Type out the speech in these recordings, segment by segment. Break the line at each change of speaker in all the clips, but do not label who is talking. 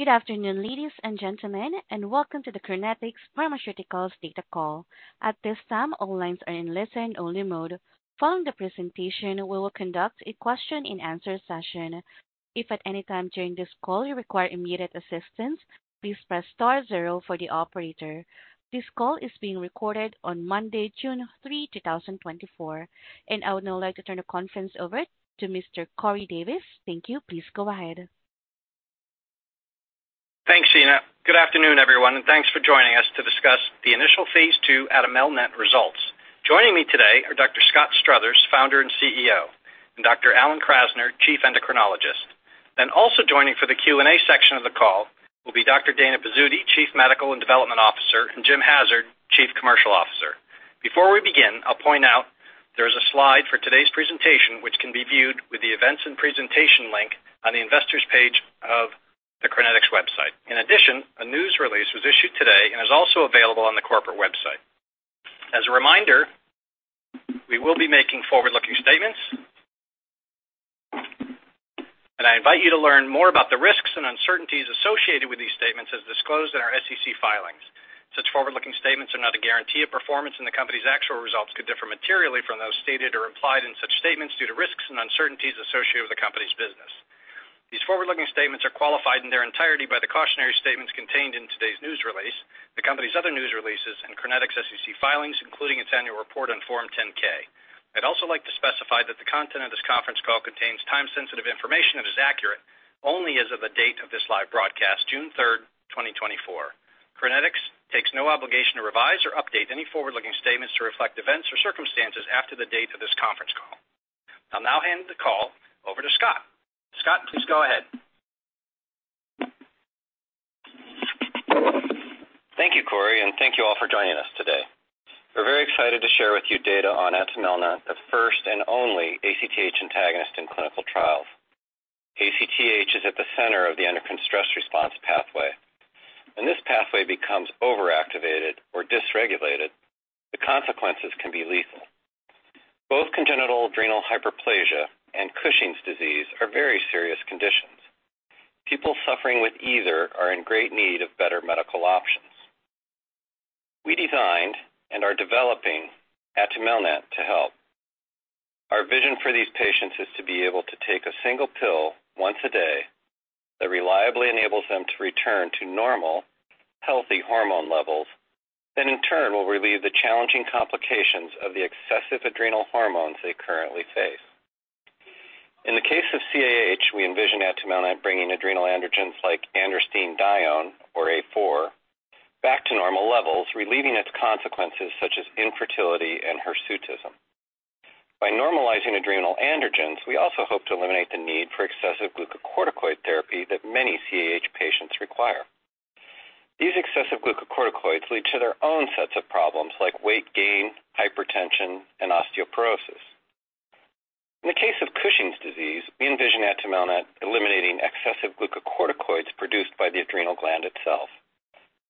Good afternoon, ladies and gentlemen, and welcome to the Crinetics Pharmaceuticals Data Call. At this time, all lines are in listen-only mode. Following the presentation, we will conduct a question-and-answer session. If at any time during this call you require immediate assistance, please press star zero for the operator. This call is being recorded on Monday, June 3, 2024. I would now like to turn the conference over to Mr. Corey Davis. Thank you. Please go ahead.
Thanks, Sheena. Good afternoon, everyone, and thanks for joining us to discuss the initial phase II atumelnant results. Joining me today are Dr. Scott Struthers, Founder and CEO, and Dr. Alan Krasner, Chief Endocrinologist. Then also joining for the Q&A section of the call will be Dr. Dana Pizzuti, Chief Medical and Development Officer, and Jim Hassard, Chief Commercial Officer. Before we begin, I'll point out there is a slide for today's presentation, which can be viewed with the Events and Presentation link on the Investors page of the Crinetics website. In addition, a news release was issued today and is also available on the corporate website. As a reminder, we will be making forward-looking statements. I invite you to learn more about the risks and uncertainties associated with these statements as disclosed in our SEC filings. Such forward-looking statements are not a guarantee of performance, and the company's actual results could differ materially from those stated or implied in such statements due to risks and uncertainties associated with the company's business. These forward-looking statements are qualified in their entirety by the cautionary statements contained in today's news release, the company's other news releases, and Crinetics SEC filings, including its annual report on Form 10-K. I'd also like to specify that the content of this conference call contains time-sensitive information that is accurate only as of the date of this live broadcast, June 3, 2024. Crinetics takes no obligation to revise or update any forward-looking statements to reflect events or circumstances after the date of this conference call. I'll now hand the call over to Scott. Scott, please go ahead.
Thank you, Corey, and thank you all for joining us today. We're very excited to share with you data on atumelnant, the first and only ACTH antagonist in clinical trials. ACTH is at the center of the endocrine stress response pathway, and this pathway becomes overactivated or dysregulated. The consequences can be lethal. Both congenital adrenal hyperplasia and Cushing's disease are very serious conditions. People suffering with either are in great need of better medical options. We designed and are developing atumelnant to help. Our vision for these patients is to be able to take a single pill once a day that reliably enables them to return to normal, healthy hormone levels, that in turn, will relieve the challenging complications of the excessive adrenal hormones they currently face. In the case of CAH, we envision atumelnant bringing adrenal androgens like androstenedione, or A4, back to normal levels, relieving its consequences, such as infertility and hirsutism. By normalizing adrenal androgens, we also hope to eliminate the need for excessive glucocorticoid therapy that many CAH patients require. These excessive glucocorticoids lead to their own sets of problems, like weight gain, hypertension, and osteoporosis. In the case of Cushing's disease, we envision atumelnant eliminating excessive glucocorticoids produced by the adrenal gland itself.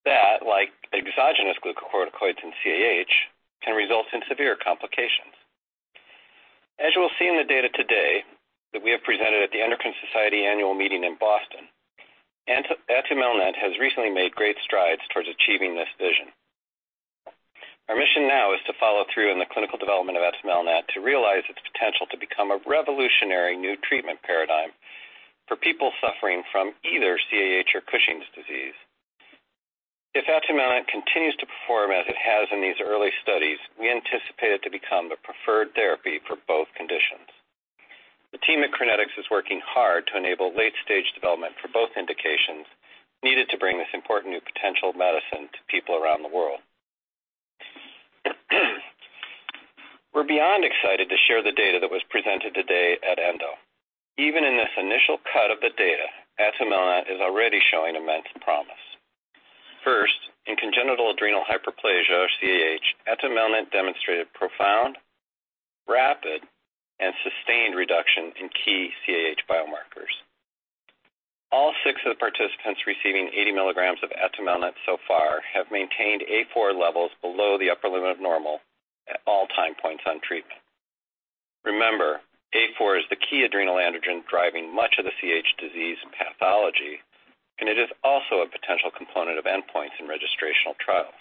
That, like exogenous glucocorticoids in CAH, can result in severe complications. As you will see in the data today that we have presented at the Endocrine Society Annual Meeting in Boston, atumelnant has recently made great strides towards achieving this vision. Our mission now is to follow through in the clinical development of atumelnant to realize its potential to become a revolutionary new treatment paradigm for people suffering from either CAH or Cushing's disease. If atumelnant continues to perform as it has in these early studies, we anticipate it to become the preferred therapy for both conditions. The team at Crinetics is working hard to enable late-stage development for both indications needed to bring this important new potential medicine to people around the world. We're beyond excited to share the data that was presented today at ENDO. Even in this initial cut of the data, atumelnant is already showing immense promise. First, in congenital adrenal hyperplasia, or CAH, atumelnant demonstrated profound, rapid, and sustained reduction in key CAH biomarkers. All six of the participants receiving 80 milligrams of atumelnant so far have maintained A4 levels below the upper limit of normal at all time points on treatment. Remember, A4 is the key adrenal androgen driving much of the CAH disease pathology, and it is also a potential component of endpoints in registrational trials.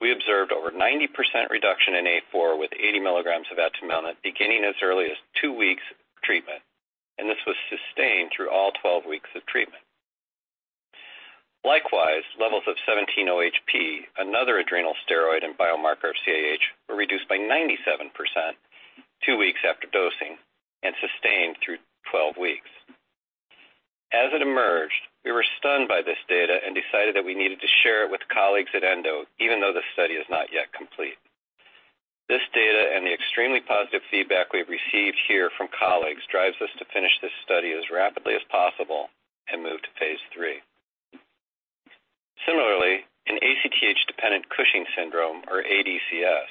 We observed over 90% reduction in A4 with 80 milligrams of atumelnant beginning as early as two weeks of treatment, and this was sustained through all 12 weeks of treatment. Likewise, levels of 17-OHP, another adrenal steroid and biomarker of CAH, were reduced by 97% two weeks after dosing and sustained through 12 weeks. As it emerged, we were stunned by this data and decided that we needed to share it with colleagues at Endo, even though the study is not yet complete. This data and the extremely positive feedback we've received here from colleagues drives us to finish this study as rapidly as possible and move to phase III. Similarly, in ACTH-dependent Cushing's syndrome, or ADCS,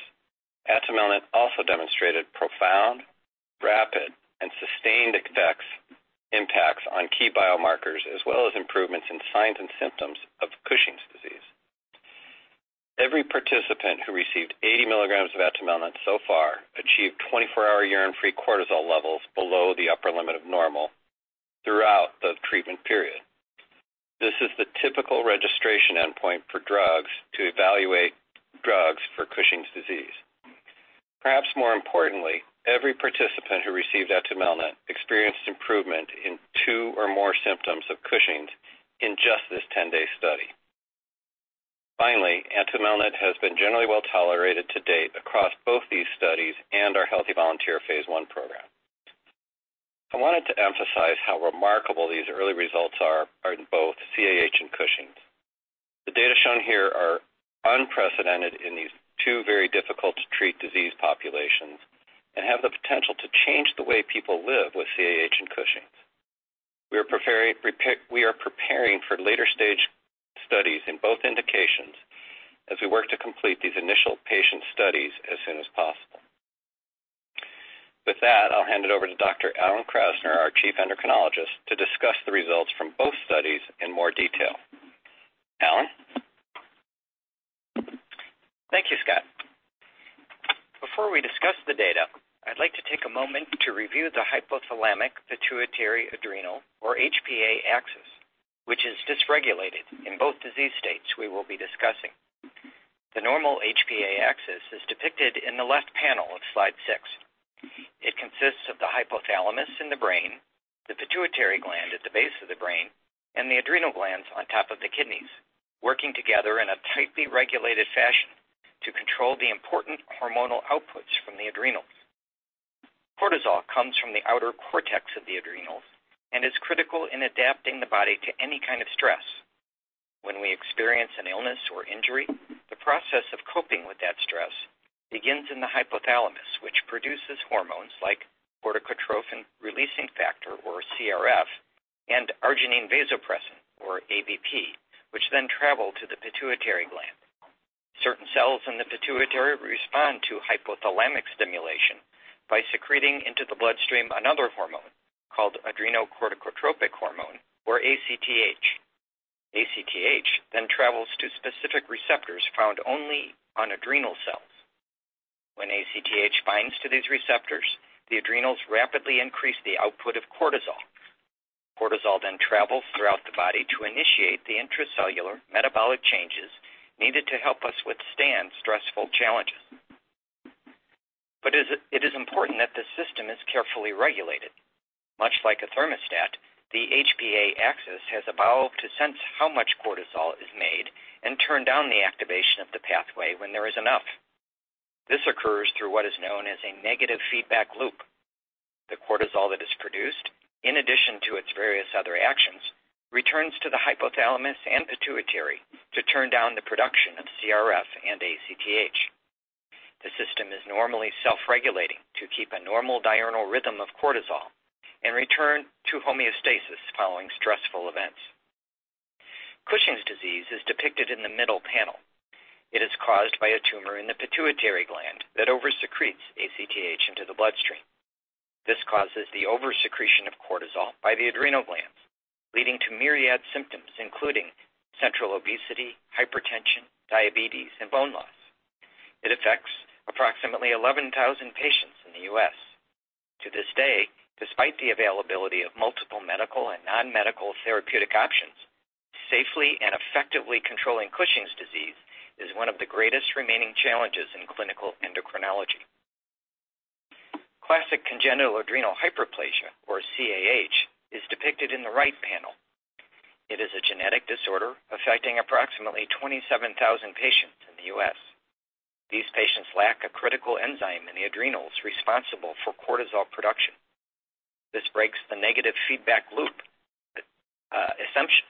atumelnant also demonstrated profound, rapid, and sustained effects... impacts on key biomarkers, as well as improvements in signs and symptoms of Cushing's disease. Every participant who received 80 milligrams of atumelnant so far achieved 24-hour urine-free cortisol levels below the upper limit of normal throughout the treatment period. This is the typical registration endpoint for drugs to evaluate drugs for Cushing's disease. Perhaps more importantly, every participant who received atumelnant experienced improvement in two or more symptoms of Cushing's in just this 10-day study. Finally, atumelnant has been generally well-tolerated to date across both these studies and our healthy volunteer phase I program. I wanted to emphasize how remarkable these early results are in both CAH and Cushing's. The data shown here are unprecedented in these two very difficult-to-treat disease populations and have the potential to change the way people live with CAH and Cushing's. We are preparing, we are preparing for later-stage studies in both indications as we work to complete these initial patient studies as soon as possible. With that, I'll hand it over to Dr. Alan Krasner, our Chief Endocrinologist, to discuss the results from both studies in more detail. Alan?
Thank you, Scott. Before we discuss the data, I'd like to take a moment to review the hypothalamic-pituitary-adrenal, or HPA, axis, which is dysregulated in both disease states we will be discussing. The normal HPA axis is depicted in the left panel of slide six. It consists of the hypothalamus in the brain, the pituitary gland at the base of the brain, and the adrenal glands on top of the kidneys, working together in a tightly regulated fashion to control the important hormonal outputs from the adrenals. Cortisol comes from the outer cortex of the adrenals and is critical in adapting the body to any kind of stress. When we experience an illness or injury, the process of coping with that stress begins in the hypothalamus, which produces hormones like corticotropin-releasing factor, or CRF, and arginine vasopressin, or AVP, which then travel to the pituitary gland. Certain cells in the pituitary respond to hypothalamic stimulation by secreting into the bloodstream another hormone called adrenocorticotropic hormone, or ACTH. ACTH then travels to specific receptors found only on adrenal cells. When ACTH binds to these receptors, the adrenals rapidly increase the output of cortisol. Cortisol then travels throughout the body to initiate the intracellular metabolic changes needed to help us withstand stressful challenges. But it is important that this system is carefully regulated. Much like a thermostat, the HPA axis has evolved to sense how much cortisol is made and turn down the activation of the pathway when there is enough. This occurs through what is known as a negative feedback loop. The cortisol that is produced, in addition to its various other actions, returns to the hypothalamus and pituitary to turn down the production of CRF and ACTH. The system is normally self-regulating to keep a normal diurnal rhythm of cortisol and return to homeostasis following stressful events. Cushing's disease is depicted in the middle panel. It is caused by a tumor in the pituitary gland that oversecretes ACTH into the bloodstream. This causes the oversecretion of cortisol by the adrenal glands, leading to myriad symptoms, including central obesity, hypertension, diabetes, and bone loss. It affects approximately 11,000 patients in the U.S. To this day, despite the availability of multiple medical and non-medical therapeutic options, safely and effectively controlling Cushing's disease is one of the greatest remaining challenges in clinical endocrinology. Classic congenital adrenal hyperplasia, or CAH, is depicted in the right panel. It is a genetic disorder affecting approximately 27,000 patients in the U.S. These patients lack a critical enzyme in the adrenals responsible for cortisol production. This breaks the negative feedback loop,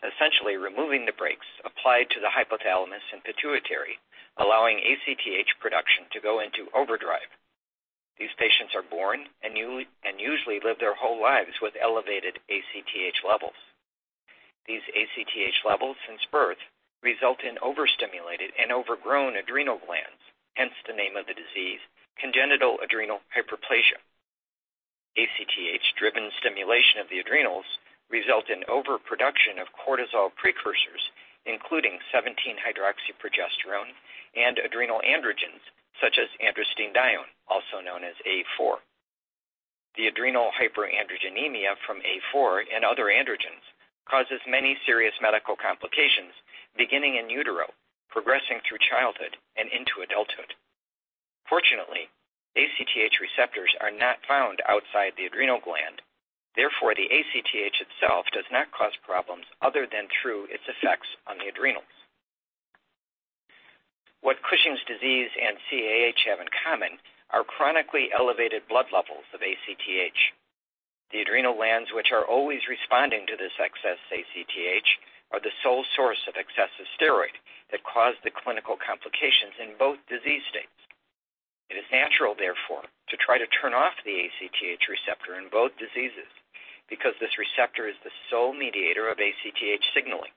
essentially removing the brakes applied to the hypothalamus and pituitary, allowing ACTH production to go into overdrive. These patients are born and usually live their whole lives with elevated ACTH levels. These ACTH levels, since birth, result in overstimulated and overgrown adrenal glands, hence the name of the disease, congenital adrenal hyperplasia. ACTH-driven stimulation of the adrenals result in overproduction of cortisol precursors, including 17-hydroxyprogesterone and adrenal androgens, such as androstenedione, also known as A4. The adrenal hyperandrogenemia from A4 and other androgens causes many serious medical complications, beginning in utero, progressing through childhood and into adulthood. Fortunately, ACTH receptors are not found outside the adrenal gland. Therefore, the ACTH itself does not cause problems other than through its effects on the adrenals. What Cushing's disease and CAH have in common are chronically elevated blood levels of ACTH. The adrenal glands, which are always responding to this excess ACTH, are the sole source of excessive steroid that cause the clinical complications in both disease states. It is natural, therefore, to try to turn off the ACTH receptor in both diseases because this receptor is the sole mediator of ACTH signaling.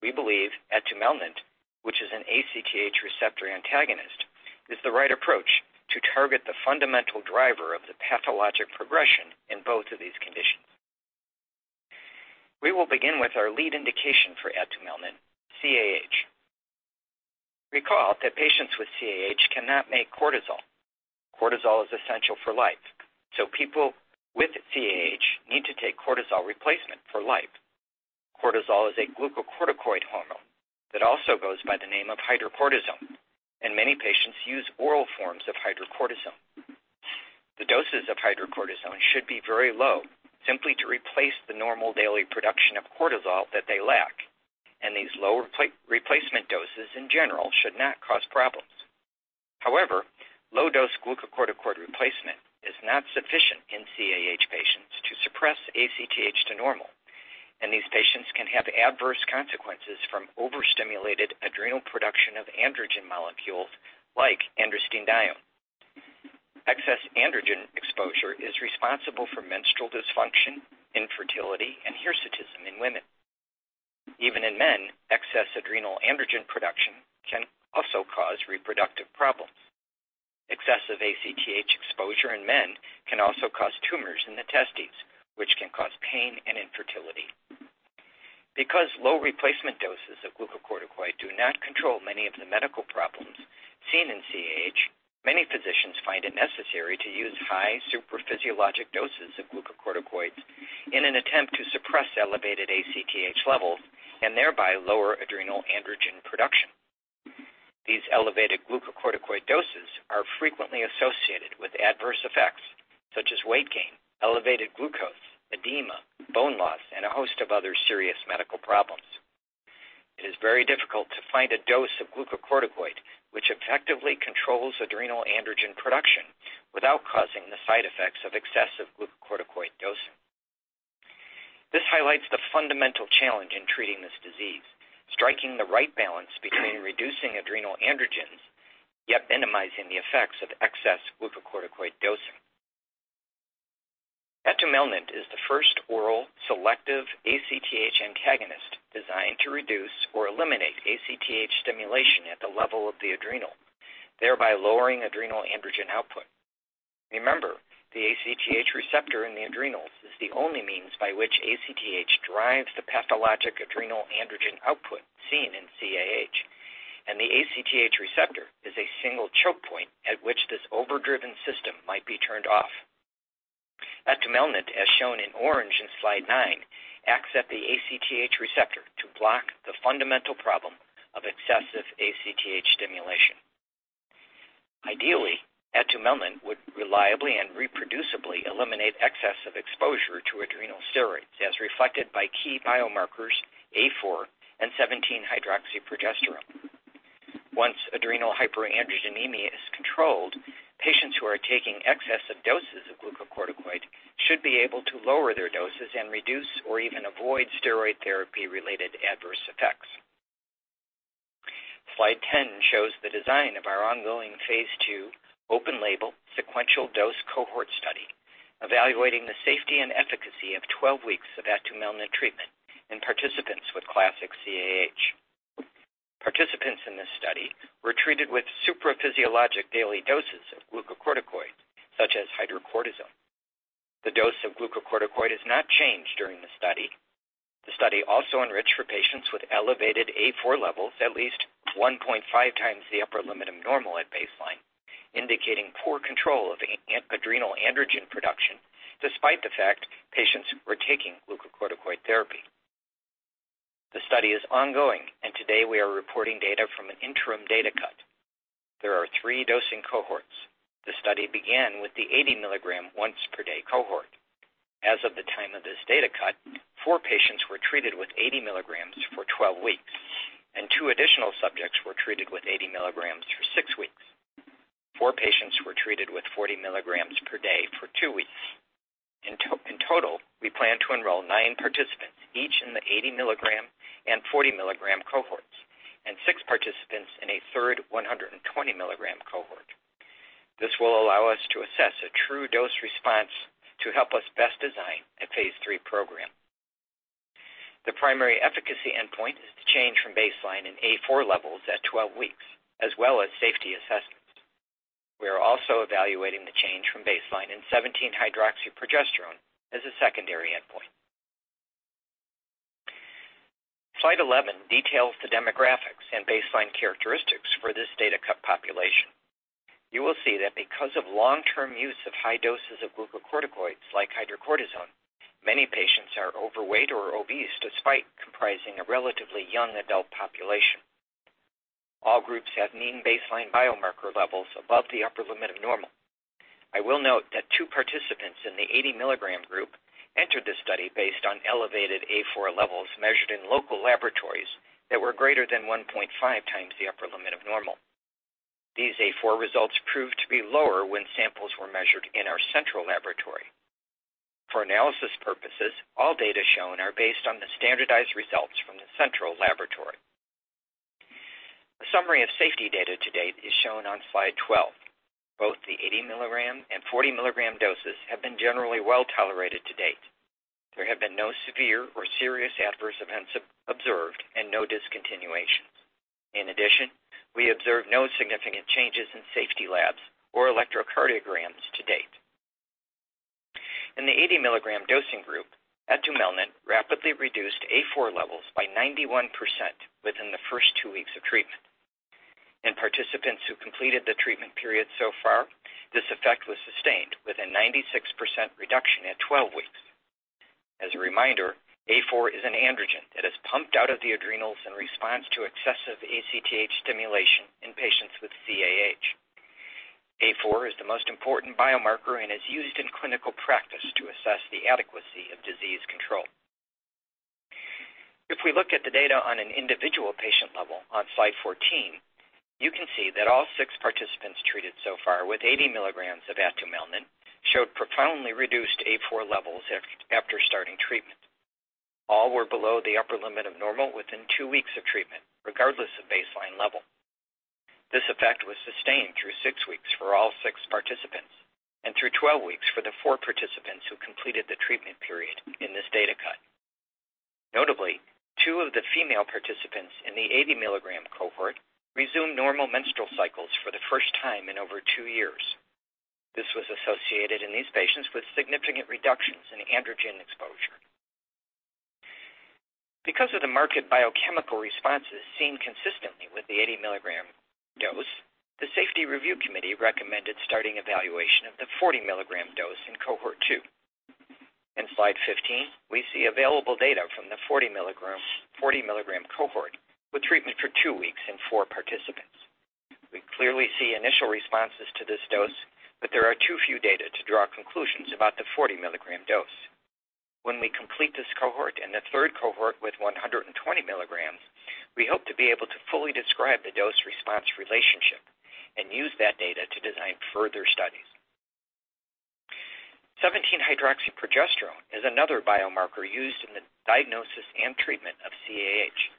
We believe atumelnant, which is an ACTH receptor antagonist, is the right approach to target the fundamental driver of the pathologic progression in both of these conditions.... We will begin with our lead indication for atumelnant, CAH. Recall that patients with CAH cannot make cortisol. Cortisol is essential for life, so people with CAH need to take cortisol replacement for life. Cortisol is a glucocorticoid hormone that also goes by the name of hydrocortisone, and many patients use oral forms of hydrocortisone. The doses of hydrocortisone should be very low, simply to replace the normal daily production of cortisol that they lack, and these low replacement doses in general should not cause problems. However, low-dose glucocorticoid replacement is not sufficient in CAH patients to suppress ACTH to normal, and these patients can have adverse consequences from overstimulated adrenal production of androgen molecules like androstenedione. Excess androgen exposure is responsible for menstrual dysfunction, infertility, and hirsutism in women. Even in men, excess adrenal androgen production can also cause reproductive problems. Excessive ACTH exposure in men can also cause tumors in the testes, which can cause pain and infertility. Because low replacement doses of glucocorticoid do not control many of the medical problems seen in CAH, many physicians find it necessary to use high supraphysiologic doses of glucocorticoids in an attempt to suppress elevated ACTH levels and thereby lower adrenal androgen production. These elevated glucocorticoid doses are frequently associated with adverse effects such as weight gain, elevated glucose, edema, bone loss, and a host of other serious medical problems. It is very difficult to find a dose of glucocorticoid which effectively controls adrenal androgen production without causing the side effects of excessive glucocorticoid dosing. This highlights the fundamental challenge in treating this disease, striking the right balance between reducing adrenal androgens, yet minimizing the effects of excess glucocorticoid dosing. Atumelnant is the first oral selective ACTH antagonist designed to reduce or eliminate ACTH stimulation at the level of the adrenal, thereby lowering adrenal androgen output. Remember, the ACTH receptor in the adrenals is the only means by which ACTH drives the pathologic adrenal androgen output seen in CAH, and the ACTH receptor is a single choke point at which this overdriven system might be turned off. Atumelnant, as shown in orange in slide 9, acts at the ACTH receptor to block the fundamental problem of excessive ACTH stimulation. Ideally, atumelnant would reliably and reproducibly eliminate excessive exposure to adrenal steroids, as reflected by key biomarkers A4 and 17-hydroxyprogesterone. Once adrenal hyperandrogenemia is controlled, patients who are taking excessive doses of glucocorticoid should be able to lower their doses and reduce or even avoid steroid therapy-related adverse effects. Slide 10 shows the design of our ongoing phase II open label, sequential dose cohort study, evaluating the safety and efficacy of 12 weeks of atumelnant treatment in participants with classic CAH. Participants in this study were treated with supraphysiologic daily doses of glucocorticoid, such as hydrocortisone. The dose of glucocorticoid is not changed during the study. The study also enriched for patients with elevated A4 levels, at least 1.5x the upper limit of normal at baseline, indicating poor control of adrenal androgen production despite the fact patients were taking glucocorticoid therapy. The study is ongoing, and today we are reporting data from an interim data cut. There are three dosing cohorts. The study began with the 80-milligram once per day cohort. As of the time of this data cut, four patients were treated with 80 milligrams for 12 weeks, and two additional subjects were treated with 80 milligrams for six weeks. Four patients were treated with 40 milligrams per day for 2 weeks. In total, we plan to enroll 9 participants, each in the 80-milligram and 40-milligram cohorts, and six participants in a third 120 milligram cohort. This will allow us to assess a true dose response to help us best design a phase III program. The primary efficacy endpoint is the change from baseline in A4 levels at 12 weeks, as well as safety assessments. We are also evaluating the change from baseline in 17-hydroxyprogesterone as a secondary endpoint. Slide 11 details the demographics and baseline characteristics for this data cut population. You will see that because of long-term use of high doses of glucocorticoids, like hydrocortisone, many patients are overweight or obese, despite comprising a relatively young adult population. All groups had mean baseline biomarker levels above the upper limit of normal. I will note that 2 participants in the 80-milligram group entered the study based on elevated A4 levels measured in local laboratories that were greater than 1.5x the upper limit of normal. These A4 results proved to be lower when samples were measured in our central laboratory. For analysis purposes, all data shown are based on the standardized results from the central laboratory. A summary of safety data to date is shown on slide 12. Both the 80-milligram and 40-milligram doses have been generally well-tolerated to date. There have been no severe or serious adverse events observed and no discontinuation. In addition, we observed no significant changes in safety labs or electrocardiograms to date. In the 80-milligram dosing group, atumelnant rapidly reduced A4 levels by 91% within the first 2 weeks of treatment. In participants who completed the treatment period so far, this effect was sustained with a 96% reduction at 12 weeks. As a reminder, A4 is an androgen that is pumped out of the adrenals in response to excessive ACTH stimulation in patients with CAH. A4 is the most important biomarker and is used in clinical practice to assess the adequacy of disease control. If we look at the data on an individual patient level on Slide 14, you can see that all 6 participants treated so far with 80 mg of atumelnant showed profoundly reduced A4 levels after starting treatment. All were below the upper limit of normal within 2 weeks of treatment, regardless of baseline level. This effect was sustained through 6 weeks for all 6 participants and through 12 weeks for the 4 participants who completed the treatment period in this data cut. Notably, 2 of the female participants in the 80-mg cohort resumed normal menstrual cycles for the first time in over 2 years. This was associated in these patients with significant reductions in androgen exposure. Because of the marked biochemical responses seen consistently with the 80-milligram dose, the Safety Review Committee recommended starting evaluation of the 40-milligram dose in cohort 2. In Slide 15, we see available data from the 40-milligram, 40-milligram cohort, with treatment for 2 weeks in 4 participants. We clearly see initial responses to this dose, but there are too few data to draw conclusions about the 40-milligram dose. When we complete this cohort and the third cohort with 120 milligrams, we hope to be able to fully describe the dose-response relationship and use that data to design further studies. 17-hydroxyprogesterone is another biomarker used in the diagnosis and treatment of CAH.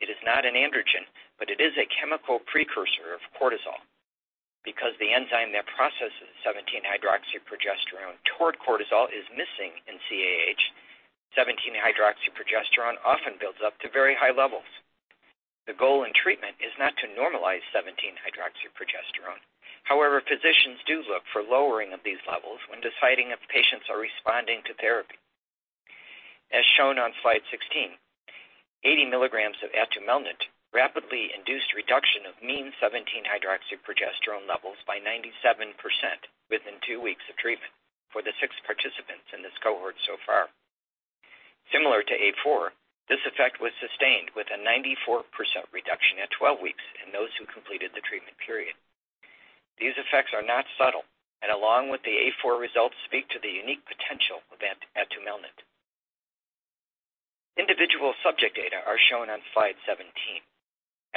It is not an androgen, but it is a chemical precursor of cortisol. Because the enzyme that processes 17-hydroxyprogesterone toward cortisol is missing in CAH, 17-hydroxyprogesterone often builds up to very high levels. The goal in treatment is not to normalize 17-hydroxyprogesterone. However, physicians do look for lowering of these levels when deciding if patients are responding to therapy. As shown on Slide 16, 80 mg of atumelnant rapidly induced reduction of mean 17-hydroxyprogesterone levels by 97% within 2 weeks of treatment for the 6 participants in this cohort so far. Similar to A4, this effect was sustained, with a 94% reduction at 12 weeks in those who completed the treatment period. These effects are not subtle, and along with the A4 results, speak to the unique potential of atumelnant. Individual subject data are shown on slide 17.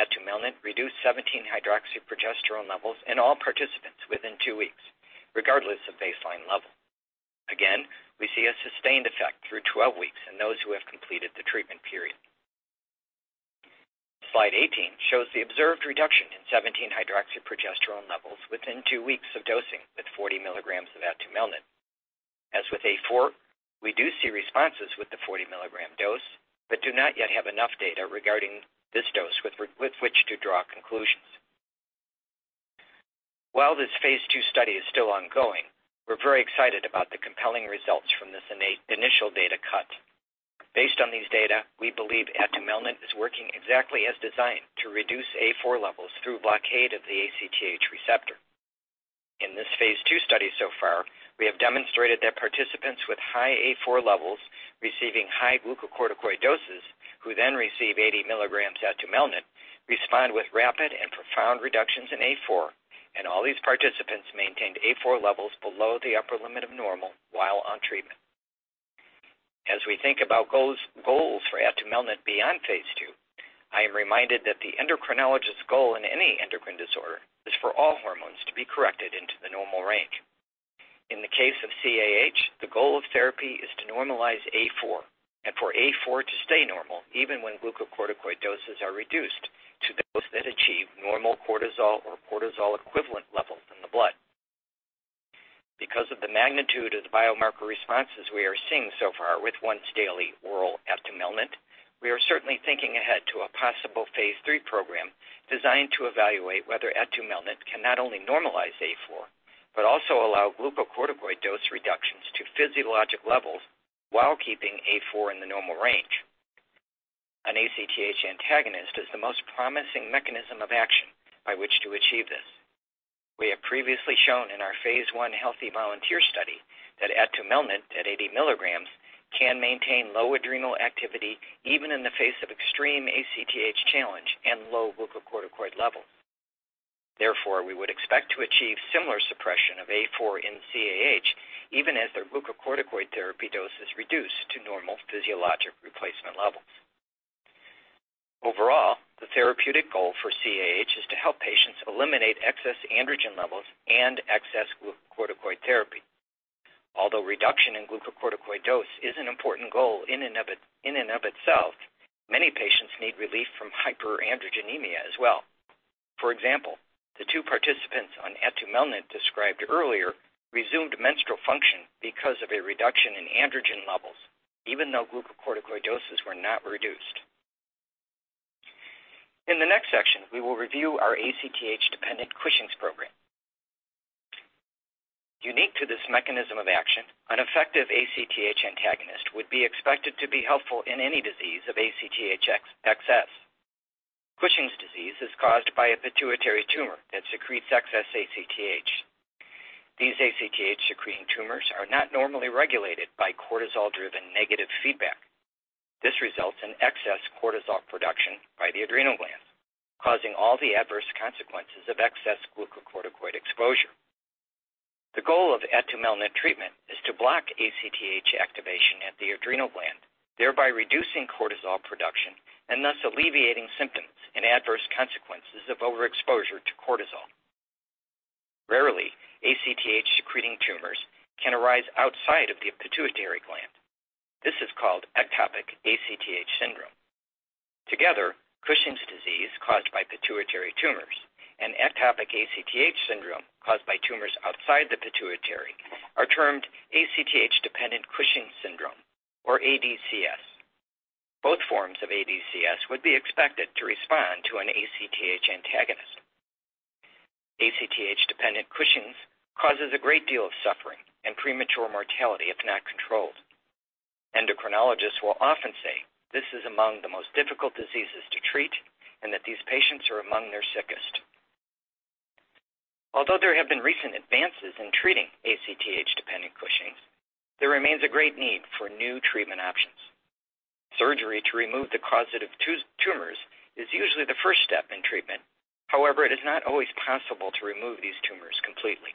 Atumelnant reduced 17-hydroxyprogesterone levels in all participants within 2 weeks, regardless of baseline level. Again, we see a sustained effect through 12 weeks in those who have completed the treatment period. Slide 18 shows the observed reduction in 17-hydroxyprogesterone levels within 2 weeks of dosing with 40 mg of atumelnant. As with A4, we do see responses with the 40-mg dose but do not yet have enough data regarding this dose with which to draw conclusions. While this phase II study is still ongoing, we're very excited about the compelling results from this initial data cut. Based on these data, we believe atumelnant is working exactly as designed to reduce A4 levels through blockade of the ACTH receptor. In this phase II study so far, we have demonstrated that participants with high A4 levels receiving high glucocorticoid doses, who then receive 80 mg atumelnant, respond with rapid and profound reductions in A4, and all these participants maintained A4 levels below the upper limit of normal while on treatment. As we think about goals, goals for atumelnant beyond phase II, I am reminded that the endocrinologist's goal in any endocrine disorder is for all hormones to be corrected into the normal range. In the case of CAH, the goal of therapy is to normalize A4 and for A4 to stay normal even when glucocorticoid doses are reduced to those that achieve normal cortisol or cortisol-equivalent levels in the blood. Because of the magnitude of the biomarker responses we are seeing so far with once-daily oral atumelnant, we are certainly thinking ahead to a possible phase III program designed to evaluate whether atumelnant can not only normalize A4, but also allow glucocorticoid dose reductions to physiologic levels while keeping A4 in the normal range. An ACTH antagonist is the most promising mechanism of action by which to achieve this. We have previously shown in our phase I healthy volunteer study that atumelnant at 80 mg can maintain low adrenal activity even in the face of extreme ACTH challenge and low glucocorticoid levels. Therefore, we would expect to achieve similar suppression of A4 in CAH, even as the glucocorticoid therapy dose is reduced to normal physiologic replacement levels. Overall, the therapeutic goal for CAH is to help patients eliminate excess androgen levels and excess glucocorticoid therapy. Although reduction in glucocorticoid dose is an important goal in and of itself, many patients need relief from hyperandrogenemia as well.... For example, the two participants on atumelnant described earlier resumed menstrual function because of a reduction in androgen levels, even though glucocorticoid doses were not reduced. In the next section, we will review our ACTH-dependent Cushing's program. Unique to this mechanism of action, an effective ACTH antagonist would be expected to be helpful in any disease of ACTH excess. Cushing's disease is caused by a pituitary tumor that secretes excess ACTH. These ACTH-secreting tumors are not normally regulated by cortisol-driven negative feedback. This results in excess cortisol production by the adrenal gland, causing all the adverse consequences of excess glucocorticoid exposure. The goal of atumelnant treatment is to block ACTH activation at the adrenal gland, thereby reducing cortisol production and thus alleviating symptoms and adverse consequences of overexposure to cortisol. Rarely, ACTH-secreting tumors can arise outside of the pituitary gland. This is called ectopic ACTH syndrome. Together, Cushing's disease, caused by pituitary tumors, and ectopic ACTH syndrome, caused by tumors outside the pituitary, are termed ACTH-dependent Cushing's syndrome or ADCS. Both forms of ADCS would be expected to respond to an ACTH antagonist. ACTH-dependent Cushing's causes a great deal of suffering and premature mortality, if not controlled. Endocrinologists will often say this is among the most difficult diseases to treat and that these patients are among their sickest. Although there have been recent advances in treating ACTH-dependent Cushing's, there remains a great need for new treatment options. Surgery to remove the causative tumors is usually the first step in treatment. However, it is not always possible to remove these tumors completely.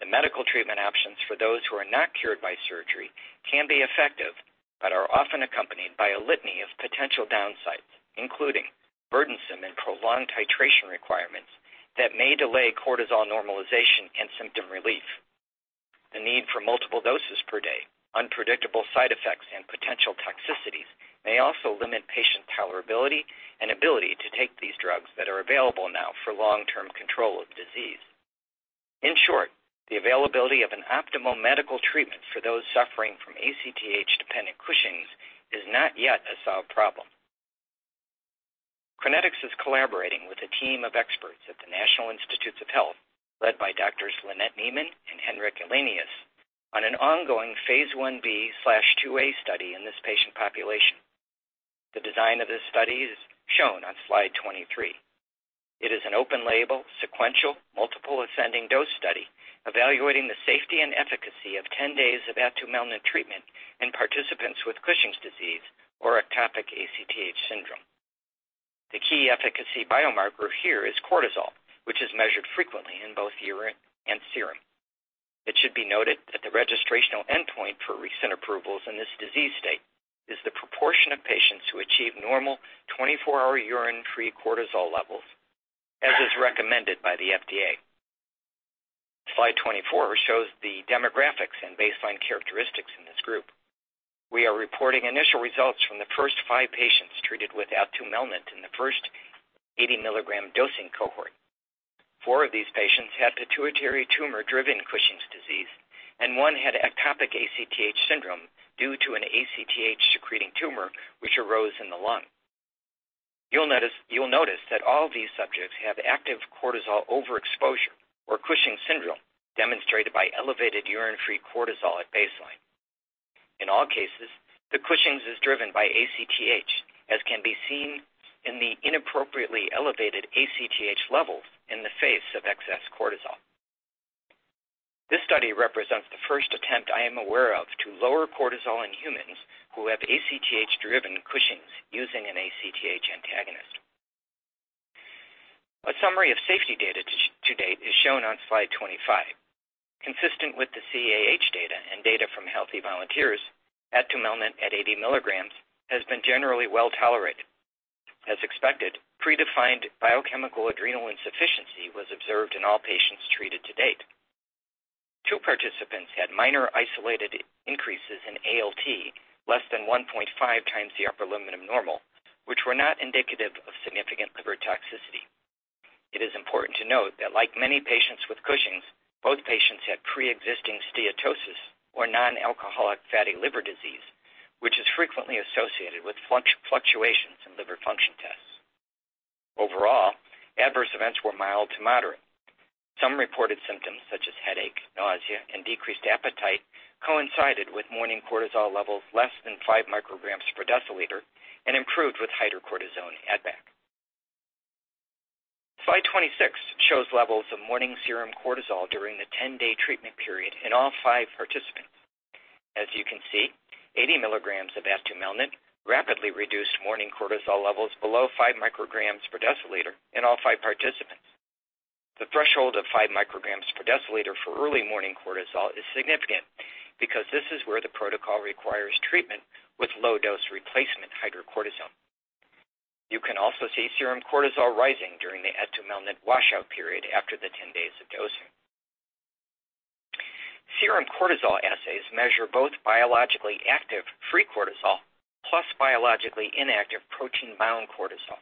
The medical treatment options for those who are not cured by surgery can be effective, but are often accompanied by a litany of potential downsides, including burdensome and prolonged titration requirements that may delay cortisol normalization and symptom relief. The need for multiple doses per day, unpredictable side effects, and potential toxicities may also limit patient tolerability and ability to take these drugs that are available now for long-term control of disease. In short, the availability of an optimal medical treatment for those suffering from ACTH-dependent Cushing's is not yet a solved problem. Crinetics is collaborating with a team of experts at the National Institutes of Health, led by Doctors Lynnette Nieman and Henrik Elenius, on an ongoing phase I-B/ phase II-A study in this patient population. The design of this study is shown on slide 23. It is an open-label, sequential, multiple ascending dose study evaluating the safety and efficacy of 10 days of atumelnant treatment in participants with Cushing's disease or ectopic ACTH syndrome. The key efficacy biomarker here is cortisol, which is measured frequently in both urine and serum. It should be noted that the registrational endpoint for recent approvals in this disease state is the proportion of patients who achieve normal 24-hour urine-free cortisol levels, as is recommended by the FDA. Slide 24 shows the demographics and baseline characteristics in this group. We are reporting initial results from the first five patients treated with atumelnant in the first 80-milligram dosing cohort. Four of these patients had pituitary tumor-driven Cushing's disease, and one had ectopic ACTH syndrome due to an ACTH-secreting tumor, which arose in the lung. You'll notice that all these subjects have active cortisol overexposure or Cushing's syndrome, demonstrated by elevated urine-free cortisol at baseline. In all cases, the Cushing's is driven by ACTH, as can be seen in the inappropriately elevated ACTH levels in the face of excess cortisol. This study represents the first attempt I am aware of to lower cortisol in humans who have ACTH-driven Cushing's using an ACTH antagonist. A summary of safety data to date is shown on slide 25. Consistent with the CAH data and data from healthy volunteers, atumelnant at 80 milligrams has been generally well tolerated. As expected, predefined biochemical adrenal insufficiency was observed in all patients treated to date. Two participants had minor isolated increases in ALT, less than 1.5x the upper limit of normal, which were not indicative of significant liver toxicity. It is important to note that like many patients with Cushing's, both patients had pre-existing steatosis or non-alcoholic fatty liver disease, which is frequently associated with fluctuations in liver function tests. Overall, adverse events were mild to moderate. Some reported symptoms, such as headache, nausea, and decreased appetite, coincided with morning cortisol levels less than 5 micrograms per deciliter and improved with hydrocortisone add-back. Slide 26 shows levels of morning serum cortisol during the 10-day treatment period in all five participants. As you can see, 80 milligrams of atumelnant rapidly reduced morning cortisol levels below 5 micrograms per deciliter in all five participants. The threshold of 5 micrograms per deciliter for early morning cortisol is significant because this is where the protocol requires treatment with low-dose replacement hydrocortisone. You can also see serum cortisol rising during the atumelnant washout period after the 10 days of dosing. Serum cortisol assays measure both biologically active free cortisol plus biologically inactive protein-bound cortisol.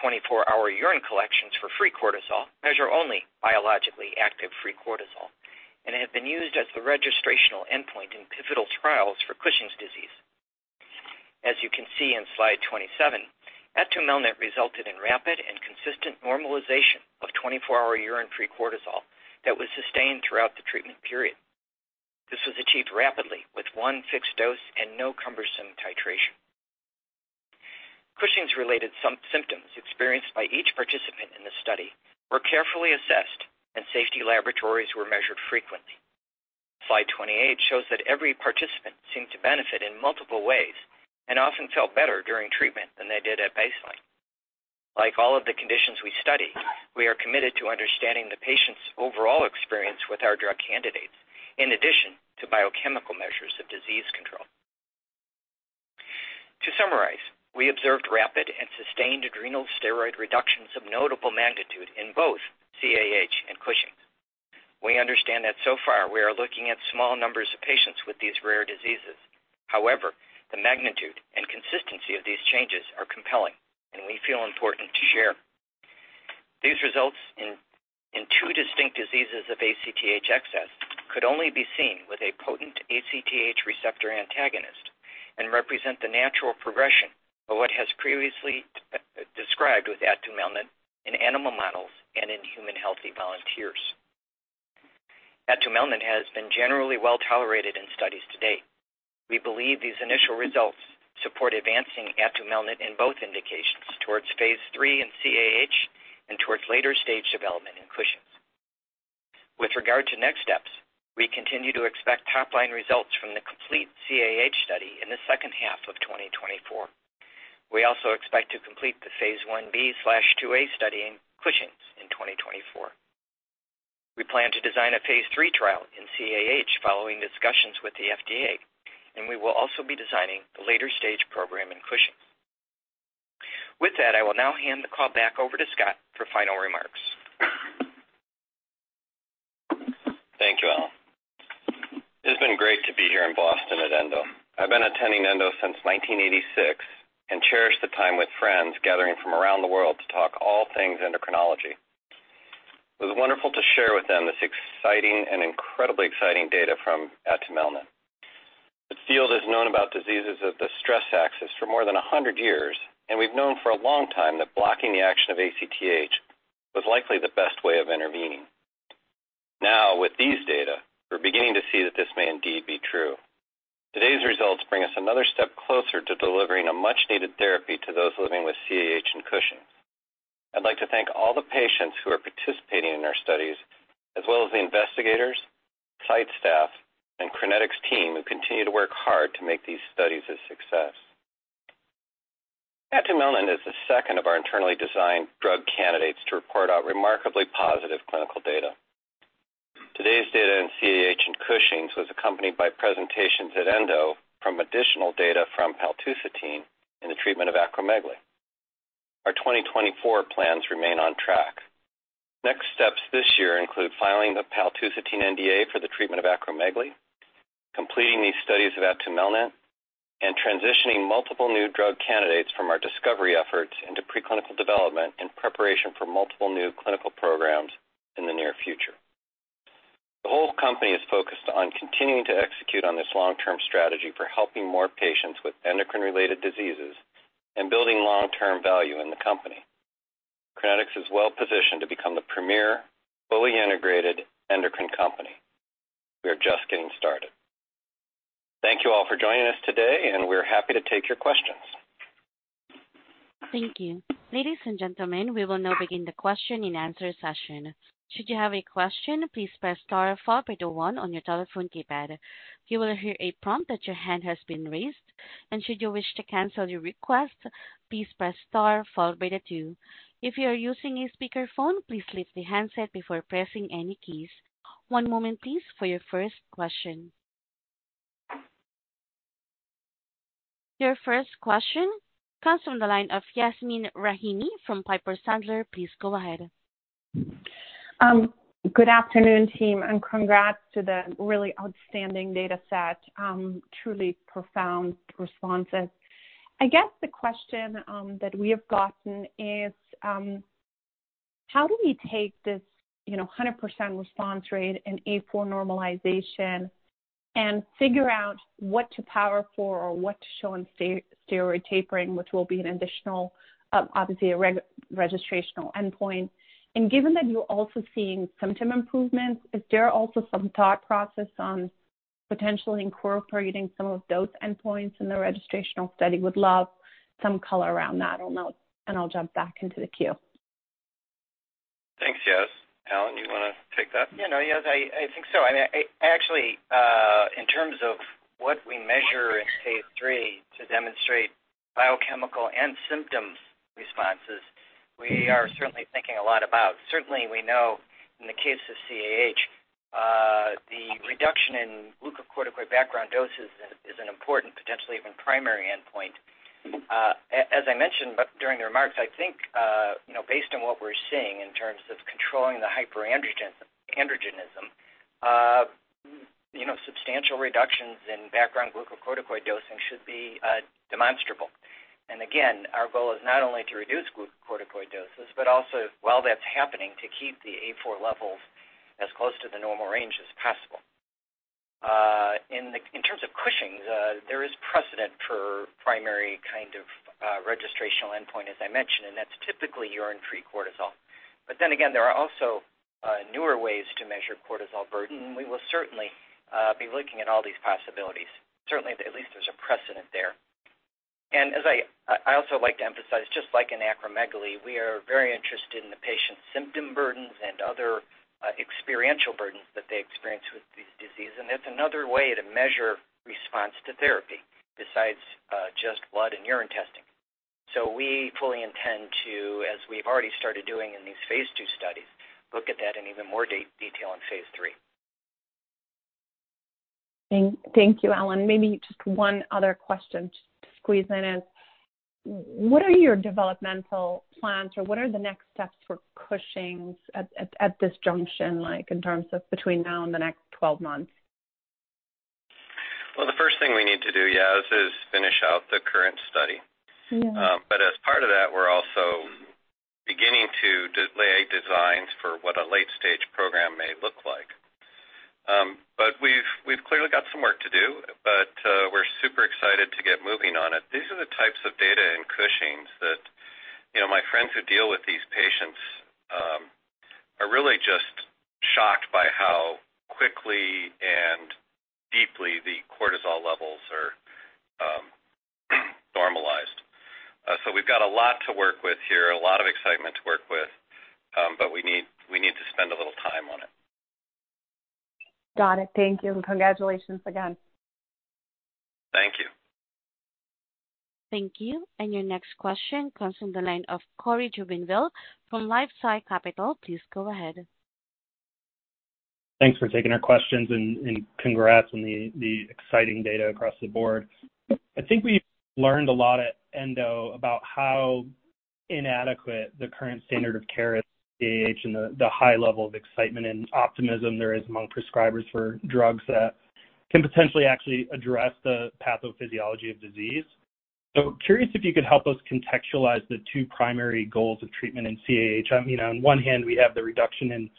24-hour urine collections for free cortisol measure only biologically active free cortisol and have been used as the registrational endpoint in pivotal trials for Cushing's disease. As you can see in slide 27, atumelnant resulted in rapid and consistent normalization of 24-hour urine-free cortisol that was sustained throughout the treatment period. This was achieved rapidly with one fixed dose and no cumbersome titration. Cushing's-related symptoms experienced by each participant in the study were carefully assessed, and safety laboratories were measured frequently. Slide 28 shows that every participant seemed to benefit in multiple ways and often felt better during treatment than they did at baseline. Like all of the conditions we study, we are committed to understanding the patient's overall experience with our drug candidates, in addition to biochemical measures of disease control. To summarize, we observed rapid and sustained adrenal steroid reductions of notable magnitude in both CAH and Cushing's. We understand that so far, we are looking at small numbers of patients with these rare diseases. However, the magnitude and consistency of these changes are compelling, and we feel important to share. These results in two distinct diseases of ACTH excess could only be seen with a potent ACTH receptor antagonist and represent the natural progression of what has previously described with atumelnant in animal models and in human healthy volunteers. Atumelnant has been generally well-tolerated in studies to date. We believe these initial results support advancing atumelnant in both indications towards phase III in CAH and towards later stage development in Cushing's. With regard to next steps, we continue to expect top-line results from the complete CAH study in the second half of 2024. We also expect to complete the phase I-B/II-A study in Cushing's in 2024. We plan to design a phase III trial in CAH following discussions with the FDA, and we will also be designing a later stage program in Cushing's. With that, I will now hand the call back over to Scott for final remarks.
Thank you, Alan. It's been great to be here in Boston at ENDO. I've been attending ENDO since 1986 and cherish the time with friends gathering from around the world to talk all things endocrinology. It was wonderful to share with them this exciting and incredibly exciting data from atumelnant. The field has known about diseases of the stress axis for more than 100 years, and we've known for a long time that blocking the action of ACTH was likely the best way of intervening. Now, with these data, we're beginning to see that this may indeed be true. Today's results bring us another step closer to delivering a much-needed therapy to those living with CAH and Cushing's. I'd like to thank all the patients who are participating in our studies, as well as the investigators, site staff, and Crinetics' team, who continue to work hard to make these studies a success. Atumelnant is the second of our internally designed drug candidates to report out remarkably positive clinical data. Today's data in CAH and Cushing's was accompanied by presentations at ENDO from additional data from paltusotine in the treatment of acromegaly. Our 2024 plans remain on track. Next steps this year include filing the paltusotine NDA for the treatment of acromegaly, completing these studies of atumelnant, and transitioning multiple new drug candidates from our discovery efforts into preclinical development in preparation for multiple new clinical programs in the near future. The whole company is focused on continuing to execute on this long-term strategy for helping more patients with endocrine-related diseases and building long-term value in the company. Crinetics is well positioned to become the premier, fully integrated endocrine company. We are just getting started. Thank you all for joining us today, and we're happy to take your questions.
Thank you. Ladies and gentlemen, we will now begin the question-and-answer session. Should you have a question, please press star followed by the one on your telephone keypad. You will hear a prompt that your hand has been raised, and should you wish to cancel your request, please press star followed by the two. If you are using a speakerphone, please lift the handset before pressing any keys. One moment, please, for your first question. Your first question comes from the line of Yasmeen Rahimi from Piper Sandler. Please go ahead.
Good afternoon, team, and congrats to the really outstanding data set. Truly profound responses. I guess the question that we have gotten is: How do we take this, you know, 100% response rate and A4 normalization and figure out what to power for or what to show in steroid tapering, which will be an additional, obviously, a registrational endpoint? And given that you're also seeing symptom improvements, is there also some thought process on potentially incorporating some of those endpoints in the registrational study? Would love some color around that. I'll note, and I'll jump back into the queue.
Thanks, Yas. Alan, you wanna take that?
Yeah, no, Yas, I think so. I mean, I actually, in terms of what we measure in phase III to demonstrate biochemical and symptoms responses, we are certainly thinking a lot about. Certainly, we know in the case of CAH, the reduction in glucocorticoid background doses important, potentially even primary endpoint. As I mentioned, but during the remarks, I think, you know, based on what we're seeing in terms of controlling the hyperandrogenism, you know, substantial reductions in background glucocorticoid dosing should be demonstrable. And again, our goal is not only to reduce glucocorticoid doses, but also while that's happening, to keep the A4 levels as close to the normal range as possible. In terms of Cushing's, there is precedent for primary kind of registrational endpoint, as I mentioned, and that's typically urine free cortisol. But then again, there are also newer ways to measure cortisol burden, and we will certainly be looking at all these possibilities. Certainly, at least there's a precedent there. And as I also like to emphasize, just like in acromegaly, we are very interested in the patient's symptom burdens and other experiential burdens that they experience with this disease. And that's another way to measure response to therapy, besides just blood and urine testing. So we fully intend to, as we've already started doing in these phase II studies, look at that in even more detail in phase III.
Thank you, Alan. Maybe just one other question to squeeze in is: what are your developmental plans, or what are the next steps for Cushing's at this junction, like, in terms of between now and the next twelve months?
Well, the first thing we need to do, Yaz, is finish out the current study.
Mm-hmm.
But as part of that, we're also beginning to lay designs for what a late-stage program may look like. But we've, we've clearly got some work to do, but we're super excited to get moving on it. These are the types of data in Cushing's that, you know, my friends who deal with these patients are really just shocked by how quickly and deeply the cortisol levels are normalized. So we've got a lot to work with here, a lot of excitement to work with, but we need, we need to spend a little time on it.
Got it. Thank you, and congratulations again.
Thank you.
Thank you, and your next question comes from the line of Cory Jubinville from LifeSci Capital. Please go ahead.
Thanks for taking our questions, and congrats on the exciting data across the board. I think we learned a lot at ENDO about how inadequate the current standard of care is CAH and the high level of excitement and optimism there is among prescribers for drugs that can potentially actually address the pathophysiology of disease. So, curious if you could help us contextualize the two primary goals of treatment in CAH. You know, on one hand, we have the reduction in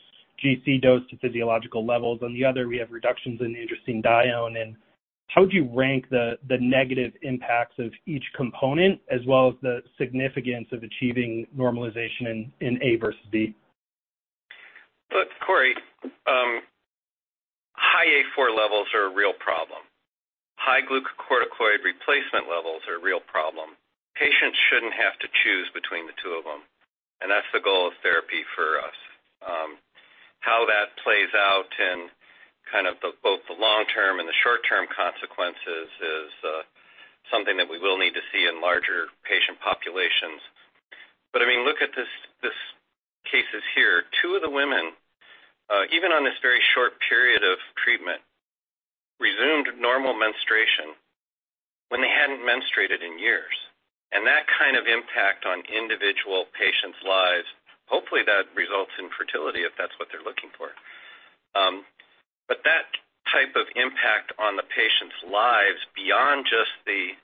GC dose to physiological levels. On the other, we have reductions in androstenedione. And how would you rank the negative impacts of each component, as well as the significance of achieving normalization in A versus B?
Look, Corey, high A4 levels are a real problem. High glucocorticoid replacement levels are a real problem. Patients shouldn't have to choose between the two of them, and that's the goal of therapy for us. How that plays out in kind of the both the long term and the short-term consequences is something that we will need to see in larger patient populations. But, I mean, look at these cases here. Two of the women, even on this very short period of treatment, resumed normal menstruation when they hadn't menstruated in years. And that kind of impact on individual patients' lives, hopefully, that results in fertility, if that's what they're looking for. But that type of impact on the patients' lives, beyond just the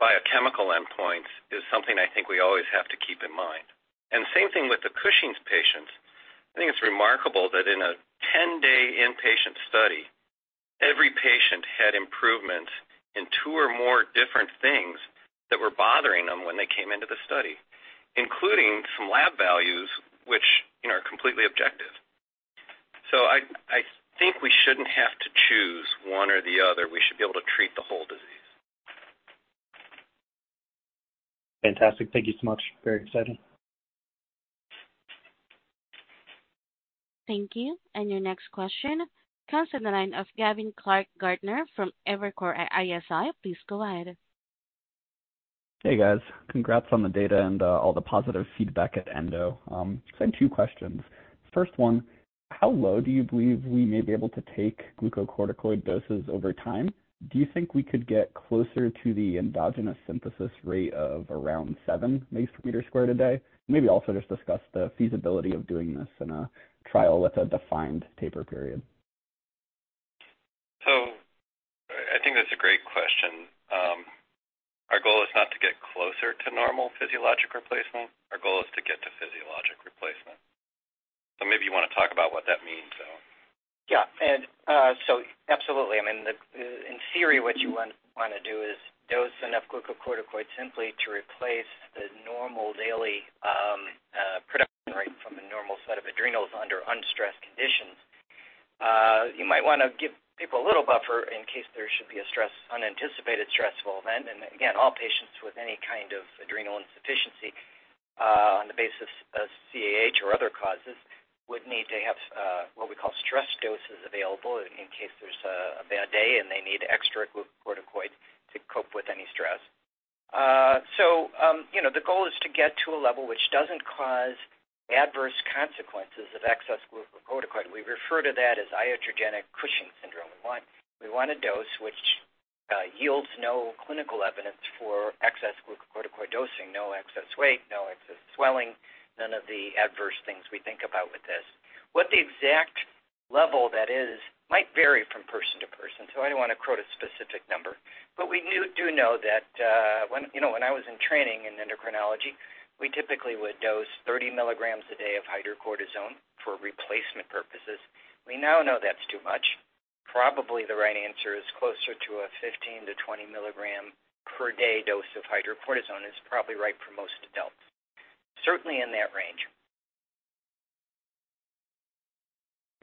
biochemical endpoints, is something I think we always have to keep in mind. And same thing with the Cushing's patients. I think it's remarkable that in a 10-day inpatient study, every patient had improvement in two or more different things that were bothering them when they came into the study, including some lab values, which, you know, are completely objective. So I think we shouldn't have to choose one or the other. We should be able to treat the whole disease.
Fantastic. Thank you so much. Very exciting.
Thank you. Your next question comes on the line of Gavin Clark-Gartner from Evercore ISI. Please go ahead.
Hey, guys. Congrats on the data and all the positive feedback at Endo. Just had two questions. First one, how low do you believe we may be able to take glucocorticoid doses over time? Do you think we could get closer to the endogenous synthesis rate of around seven nanometer squared a day? Maybe also just discuss the feasibility of doing this in a trial with a defined taper period.
So I think that's a great question. Our goal is not to get closer to normal physiologic replacement. Our goal is to get to physiologic replacement. So maybe you want to talk about what that means, Alan.
Yeah, and, so absolutely. I mean, the, in theory, what you want to do is dose enough glucocorticoid simply to replace the normal daily production rate from the normal set of adrenals under unstressed conditions. You might want to give people a little buffer in case there should be a stress-unanticipated stressful event. And again, all patients with any kind of adrenal insufficiency, on the basis of CAH or other causes, would need to have what we call stress doses available in case there's a bad day and they need extra glucocorticoid to cope with any stress. So, you know, the goal is to get to a level which doesn't cause adverse consequences of excess glucocorticoid. We refer to that as iatrogenic Cushing's syndrome. We want a dose which yields no clinical evidence for excess glucocorticoid dosing, no excess weight, no excess swelling, none of the adverse things we think about with this. What the exact level that is might vary from person to person, so I don't want to quote a specific number. But we do know that, when you know, when I was in training in endocrinology, we typically would dose 30 milligrams a day of hydrocortisone for replacement purposes. We now know that's too much. Probably the right answer is closer to a 15 milligram-20 milligram per day dose of hydrocortisone is probably right for most adults. Certainly in that range.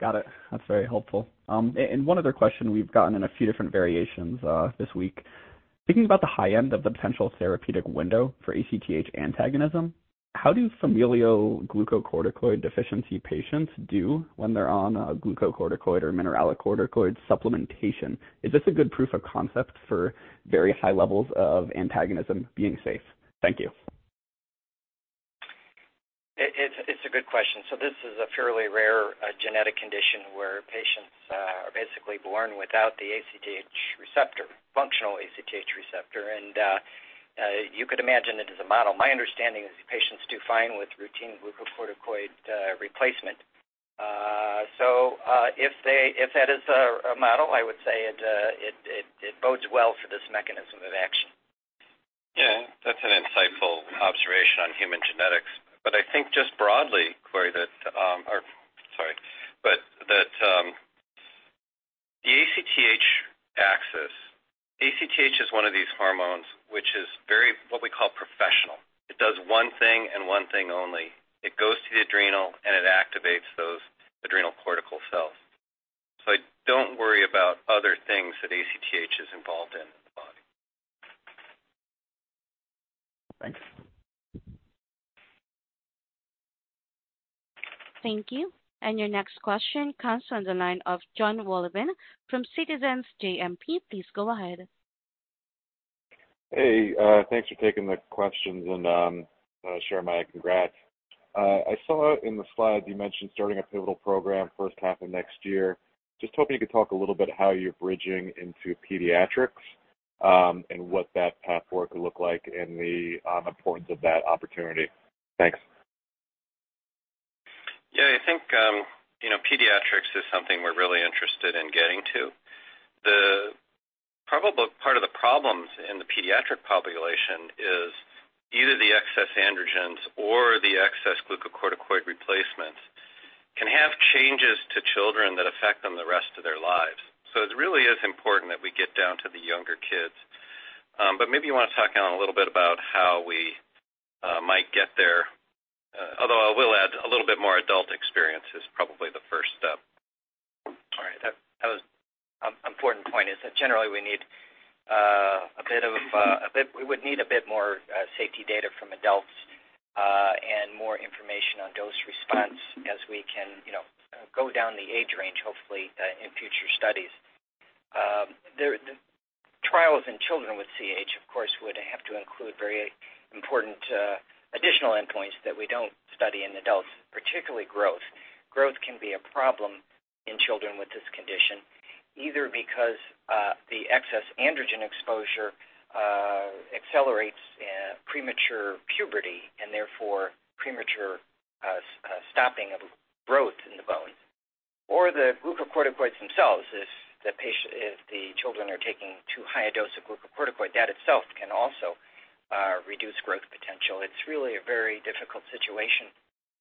Got it. That's very helpful. And one other question we've gotten in a few different variations, this week. Thinking about the high end of the potential therapeutic window for ACTH antagonism, how do familial glucocorticoid deficiency patients do when they're on a glucocorticoid or mineralocorticoid supplementation? Is this a good proof of concept for very high levels of antagonism being safe? Thank you.
It's a good question. So this is a fairly rare genetic condition where patients are basically born without the ACTH receptor, functional ACTH receptor. You could imagine it as a model. My understanding is the patients do fine with routine glucocorticoid replacement. So, if that is a model, I would say it bodes well for this mechanism of action.
Yeah, that's an insightful observation on human genetics. But I think just broadly, Corey, that, or sorry, but that, the ACTH axis, ACTH is one of these hormones, which is very, what we call professional. It does one thing and one thing only. It goes to the adrenal and it activates those adrenal cortical cells. So I don't worry about other things that ACTH is involved in, in the body.
Thanks.
Thank you. Your next question comes on the line of Jon Wolleben from Citizens JMP. Please go ahead.
Hey, thanks for taking the questions, and gentlemen, congrats. I saw in the slides you mentioned starting a pivotal program first half of next year. Just hoping you could talk a little bit how you're bridging into pediatrics, and what that path forward could look like and the importance of that opportunity. Thanks.
Yeah, I think, you know, pediatrics is something we're really interested in getting to. The probable part of the problems in the pediatric population is either the excess androgens or the excess glucocorticoid replacements can have changes to children that affect them the rest of their lives. So it really is important that we get down to the younger kids. But maybe you want to talk, Alan, a little bit about how we might get there. Although I will add a little bit more adult experience is probably the first step.
All right. An important point is that generally we would need a bit more safety data from adults and more information on dose response as we can, you know, go down the age range, hopefully, in future studies. The trials in children with CAH, of course, would have to include very important additional endpoints that we don't study in adults, particularly growth. Growth can be a problem in children with this condition, either because the excess androgen exposure accelerates premature puberty, and therefore premature stopping of growth in the bone, or the glucocorticoids themselves, if the children are taking too high a dose of glucocorticoid, that itself can also reduce growth potential. It's really a very difficult situation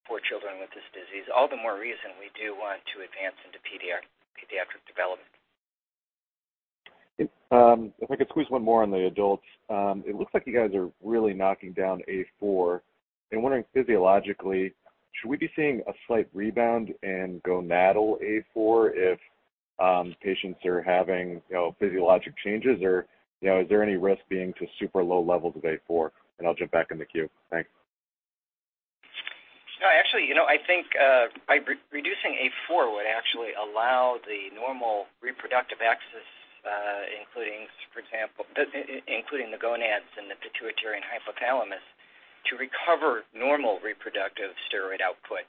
for children with this disease. All the more reason we do want to advance into pediatric development.
If I could squeeze one more on the adults. It looks like you guys are really knocking down A4. I'm wondering, physiologically, should we be seeing a slight rebound in gonadal A4 if patients are having, you know, physiologic changes? Or, you know, is there any risk being to super low levels of A4? And I'll jump back in the queue. Thanks.
No, actually, you know, I think, by reducing A4 would actually allow the normal reproductive axis, including, for example, including the gonads and the pituitary and hypothalamus, to recover normal reproductive steroid output.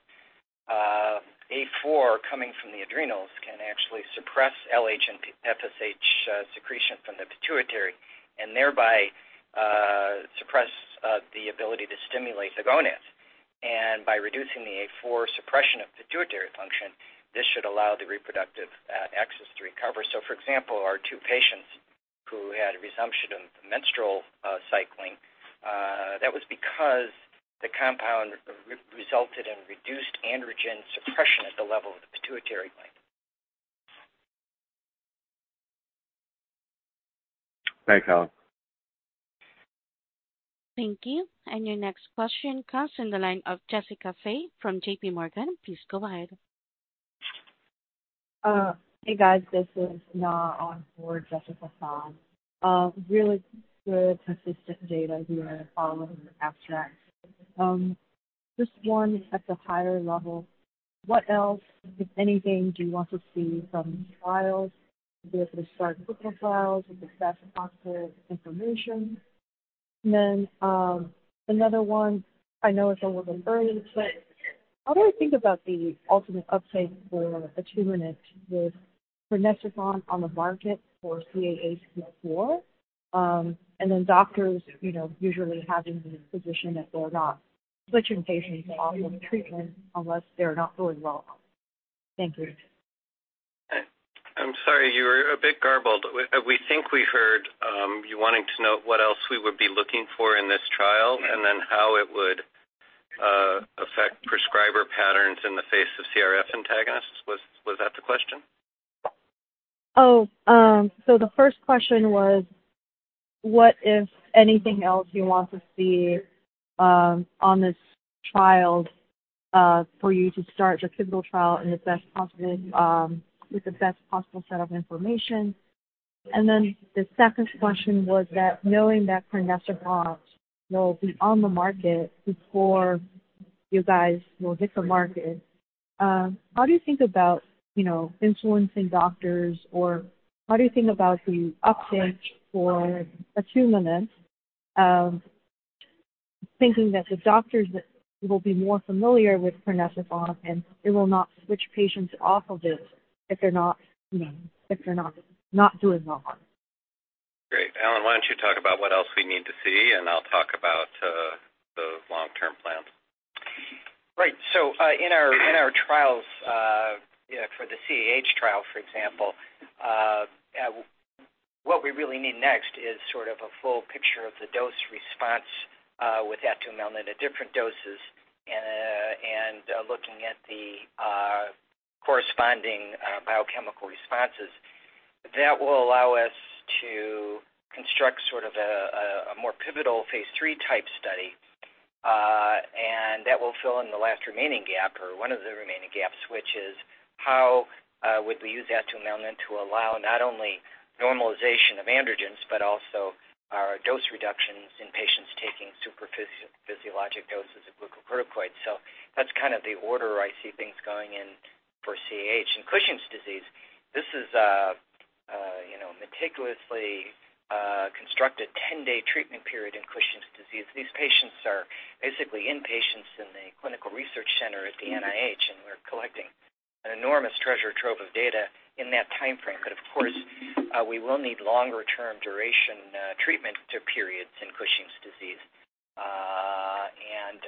A4 coming from the adrenals can actually suppress LH and FSH secretion from the pituitary, and thereby suppress the ability to stimulate the gonads. And by reducing the A4 suppression of pituitary function, this should allow the reproductive axis to recover. So for example, our 2 patients who had a resumption of menstrual cycling, that was because the compound resulted in reduced androgen suppression at the level of the pituitary gland.
Thanks, Alan.
Thank you. Your next question comes in the line of Jessica Fye from JPMorgan. Please go ahead.
Hey, guys, this is... on for Jessica Fye. Really good, consistent data we are following the abstract. Just one at the higher level. What else, if anything, do you want to see from trials be able to start clinical trials with the best possible information? And then, another one, I know it's a little bit early, but how do I think about the ultimate uptake for atumelnant with crinecerfont on the market for CAH before, and then doctors, you know, usually having the position that they're not switching patients off of treatment unless they're not doing well. Thank you.
I'm sorry, you were a bit garbled. We, we think we heard you wanting to know what else we would be looking for in this trial, and then how it would affect prescriber patterns in the face of CRF antagonists. Was, was that the question?
Oh, so the first question was, what, if anything else, you want to see, on this trial, for you to start the pivotal trial in the best possible, with the best possible set of information? And then the second question was that, knowing that crinecerfont will be on the market before you guys will hit the market, how do you think about, you know, influencing doctors, or how do you think about the uptick for atumelnant, thinking that the doctors will be more familiar with crinecerfont, and they will not switch patients off of it if they're not, you know, if they're not, not doing well?
Great. Alan, why don't you talk about what else we need to see, and I'll talk about the long-term plans.
Right. So, in our trials, yeah, for the CAH trial, for example, what we really need next is sort of a full picture of the dose response, with atumelnant at different doses and looking at the corresponding biochemical responses. That will allow us to construct sort of a more pivotal phase III type study, and that will fill in the last remaining gap, or one of the remaining gaps, which is how would we use atumelnant to allow not only normalization of androgens, but also dose reductions in patients taking super physiologic doses of glucocorticoids? So that's kind of the order I see things going in for CAH. In Cushing's disease, this is a, you know, meticulously constructed 10-day treatment period in Cushing's disease. These patients are basically inpatients in the clinical research center at the NIH, and we're collecting an enormous treasure trove of data in that timeframe. But of course, we will need longer term duration, treatment to periods in Cushing's disease. And,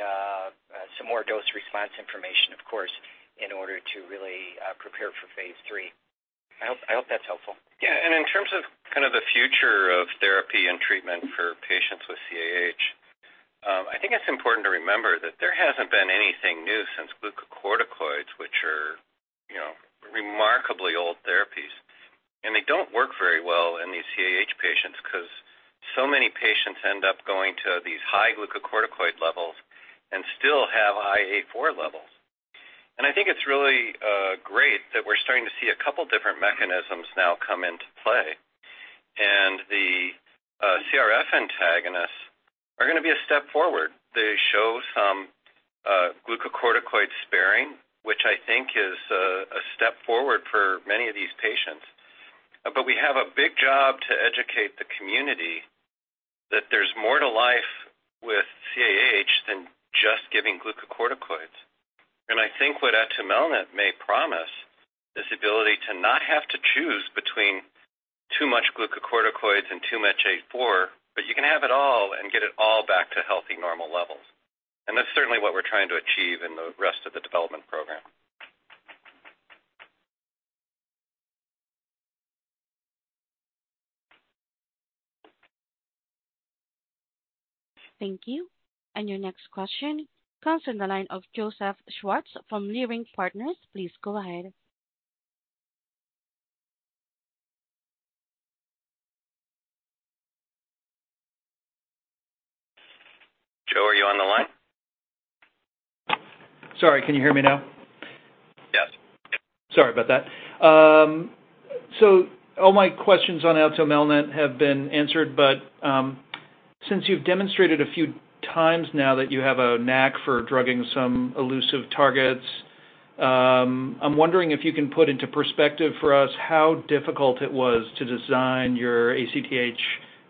some more dose response information, of course, in order to really, prepare for phase III. I hope, I hope that's helpful.
Yeah, and in terms of kind of the future of therapy and treatment for patients with CAH, I think it's important to remember that there hasn't been anything new since glucocorticoids, which are, you know, remarkably old therapies. And they don't work very well in these CAH patients because so many patients end up going to these high glucocorticoid levels and still have high A4 levels. And I think it's really great that we're starting to see a couple different mechanisms now come into play. And the CRF antagonists are gonna be a step forward. They show some glucocorticoid sparing, which I think is a step forward for many of these patients. But we have a big job to educate the community that there's more to life with CAH than just giving glucocorticoids. I think what atumelnant may promise is the ability to not have to choose between too much glucocorticoids and too much A4, but you can have it all and get it all back to healthy, normal levels. That's certainly what we're trying to achieve in the rest of the development program.
Thank you. And your next question comes from the line of Joseph Schwartz, from Leerink Partners. Please go ahead.
Joe, are you on the line?
Sorry, can you hear me now?
Yes.
Sorry about that. So all my questions on atumelnant have been answered, but since you've demonstrated a few times now that you have a knack for drugging some elusive targets, I'm wondering if you can put into perspective for us how difficult it was to design your ACTH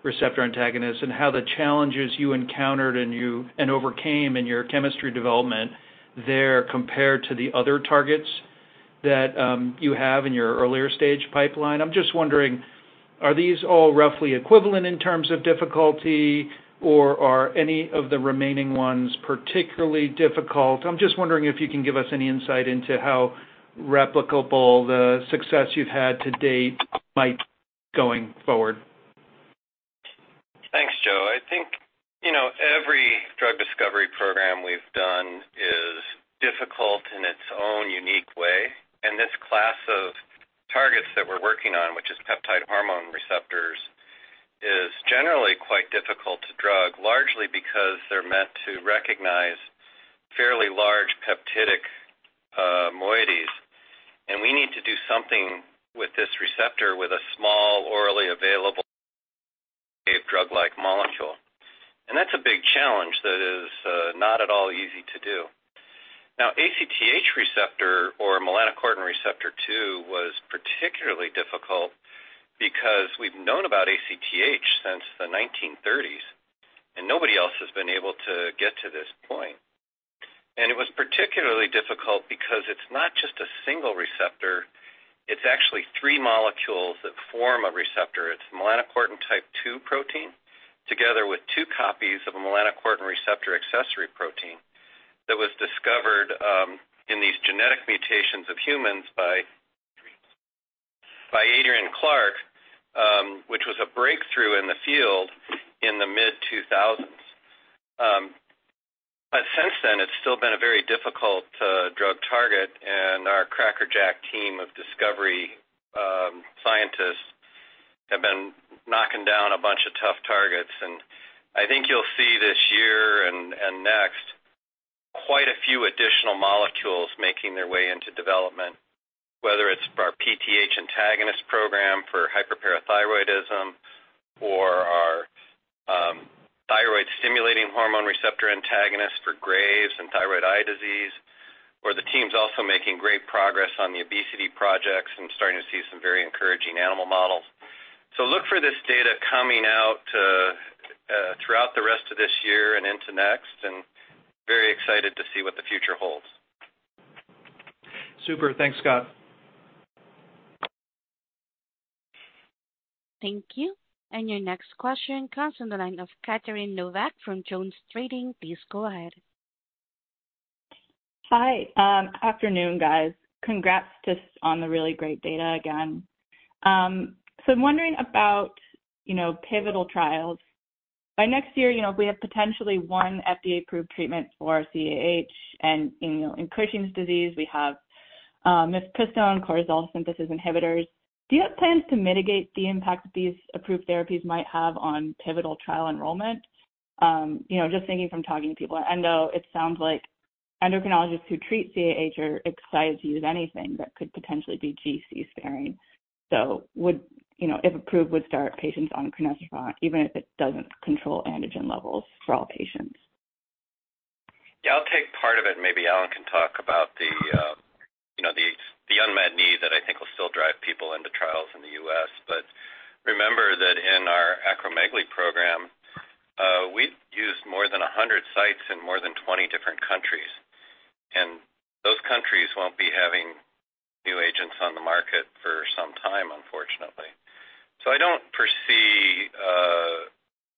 receptor antagonist, and how the challenges you encountered and overcame in your chemistry development there, compared to the other targets that you have in your earlier stage pipeline. I'm just wondering, are these all roughly equivalent in terms of difficulty, or are any of the remaining ones particularly difficult? I'm just wondering if you can give us any insight into how replicable the success you've had to date might going forward.
Thanks, Joe. I think, you know, every drug discovery program we've done is difficult in its own unique way. And this class of targets that we're working on, which is peptide hormone receptors, is generally quite difficult to drug, largely because they're meant to recognize fairly large with this receptor with a small orally available drug-like molecule. And that's a big challenge that is, not at all easy to do. Now, ACTH receptor or melanocortin receptor two was particularly difficult because we've known about ACTH since the 1930s, and nobody else has been able to get to this point. And it was particularly difficult because it's not just a single receptor, it's actually three molecules that form a receptor. It's melanocortin type two protein, together with two copies of a melanocortin receptor accessory protein that was discovered in these genetic mutations of humans by, by Adrian Clark, which was a breakthrough in the field in the mid-2000s. But since then, it's still been a very difficult drug target, and our crackerjack team of discovery scientists have been knocking down a bunch of tough targets. And I think you'll see this year and next, quite a few additional molecules making their way into development, whether it's for our PTH antagonist program for hyperparathyroidism, or our thyroid-stimulating hormone receptor antagonist for Graves' and thyroid eye disease, or the team's also making great progress on the obesity projects and starting to see some very encouraging animal models. So look for this data coming out throughout the rest of this year and into next, and very excited to see what the future holds.
Super. Thanks, Scott.
Thank you. And your next question comes from the line of Catherine Novack from JonesTrading. Please go ahead.
Hi. Afternoon, guys. Congrats just on the really great data again. So I'm wondering about, you know, pivotal trials. By next year, you know, we have potentially one FDA-approved treatment for CAH, and, you know, in Cushing's disease, we have, mifepristone cortisol synthesis inhibitors. Do you have plans to mitigate the impact that these approved therapies might have on pivotal trial enrollment? You know, just thinking from talking to people, I know it sounds like endocrinologists who treat CAH are excited to use anything that could potentially be GC-sparing. So would, you know, if approved, would start patients on crinecerfont, even if it doesn't control androgen levels for all patients?
Yeah, I'll take part of it, and maybe Alan can talk about, you know, the unmet need that I think will still drive people into trials in the US. But remember that in our acromegaly program, we've used more than 100 sites in more than 20 different countries. And those countries won't be having new agents on the market for some time, unfortunately. So I don't foresee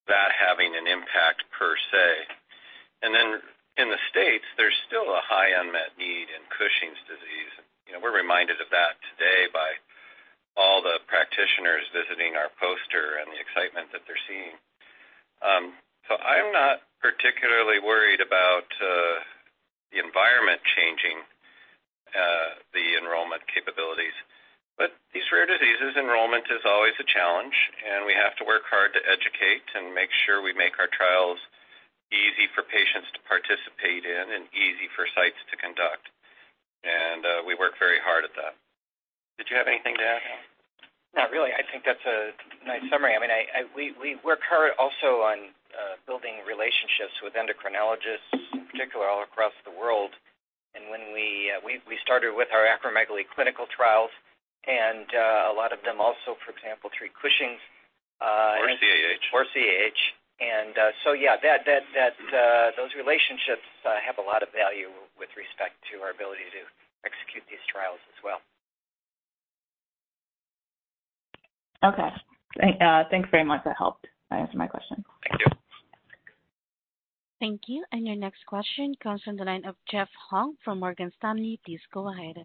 that having an impact per se. And then in the States, there's still a high unmet need in Cushing's disease. You know, we're reminded of that today by all the practitioners visiting our poster and the excitement that they're seeing. So I'm not particularly worried about the environment changing the enrollment capabilities. These rare diseases, enrollment is always a challenge, and we have to work hard to educate and make sure we make our trials easy for patients to participate in and easy for sites to conduct. We work very hard at that. Did you have anything to add, Alan?
Not really. I think that's a nice summary. I mean, we work hard also on building relationships with endocrinologists, in particular, all across the world. And when we started with our acromegaly clinical trials, and a lot of them also, for example, treat Cushing's.
Or CAH.
Or CAH. And so yeah, that those relationships have a lot of value with respect to our ability to execute these trials as well.
Okay. Thanks, thanks very much. That helped answer my question.
Thank you.
Thank you. Your next question comes from the line of Jeff Hung from Morgan Stanley. Please go ahead.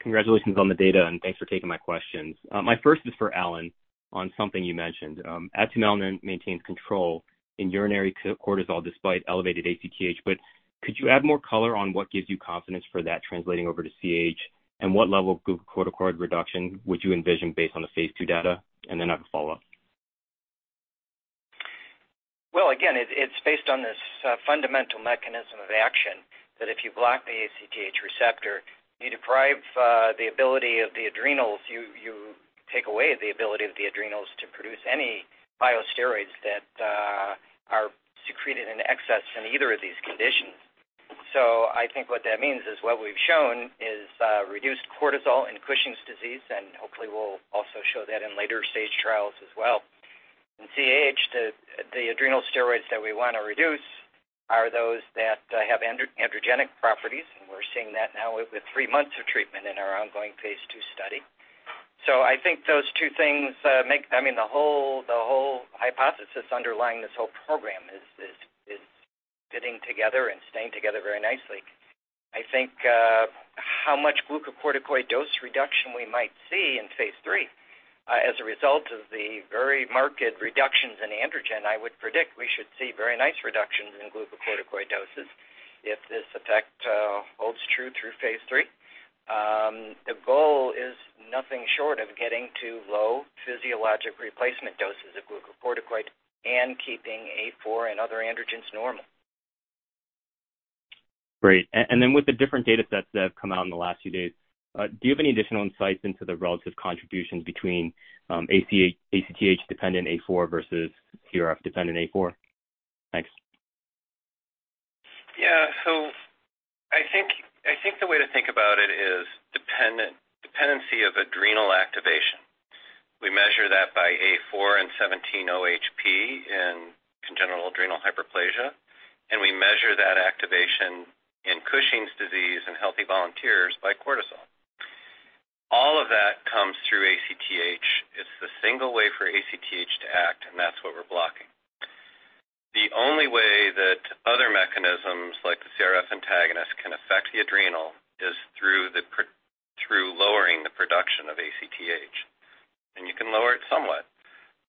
Congratulations on the data, and thanks for taking my questions. My first is for Alan on something you mentioned. Atumelnant maintains control in urinary free cortisol despite elevated ACTH, but could you add more color on what gives you confidence for that translating over to CAH? What level of glucocorticoid reduction would you envision based on the phase II data? Then I have a follow-up.
Well, again, it's based on this fundamental mechanism of action, that if you block the ACTH receptor, you deprive the ability of the adrenals. You take away the ability of the adrenals to produce any steroids that are secreted in excess in either of these conditions. So I think what that means is what we've shown is reduced cortisol in Cushing's disease, and hopefully, we'll also show that in later stage trials as well. In CAH, the adrenal steroids that we want to reduce are those that have androgenic properties, and we're seeing that now with three months of treatment in our ongoing phase II study. So I think those two things, I mean, the whole hypothesis underlying this whole program is fitting together and staying together very nicely. I think, how much glucocorticoid dose reduction we might see in phase III, as a result of the very marked reductions in androgen, I would predict we should see very nice reductions in glucocorticoid doses if this effect holds true through phase III. The goal is nothing short of getting to low physiologic replacement doses of glucocorticoid and keeping A4 and other androgens normal....
Great. And then with the different datasets that have come out in the last few days, do you have any additional insights into the relative contributions between, ACTH, ACTH-dependent A4 versus CRF-dependent A4? Thanks.
Yeah, so I think, I think the way to think about it is dependency of adrenal activation. We measure that by A4 and 17-OHP in congenital adrenal hyperplasia, and we measure that activation in Cushing's disease and healthy volunteers by cortisol. All of that comes through ACTH. It's the single way for ACTH to act, and that's what we're blocking. The only way that other mechanisms, like the CRF antagonist, can affect the adrenal is through lowering the production of ACTH. And you can lower it somewhat,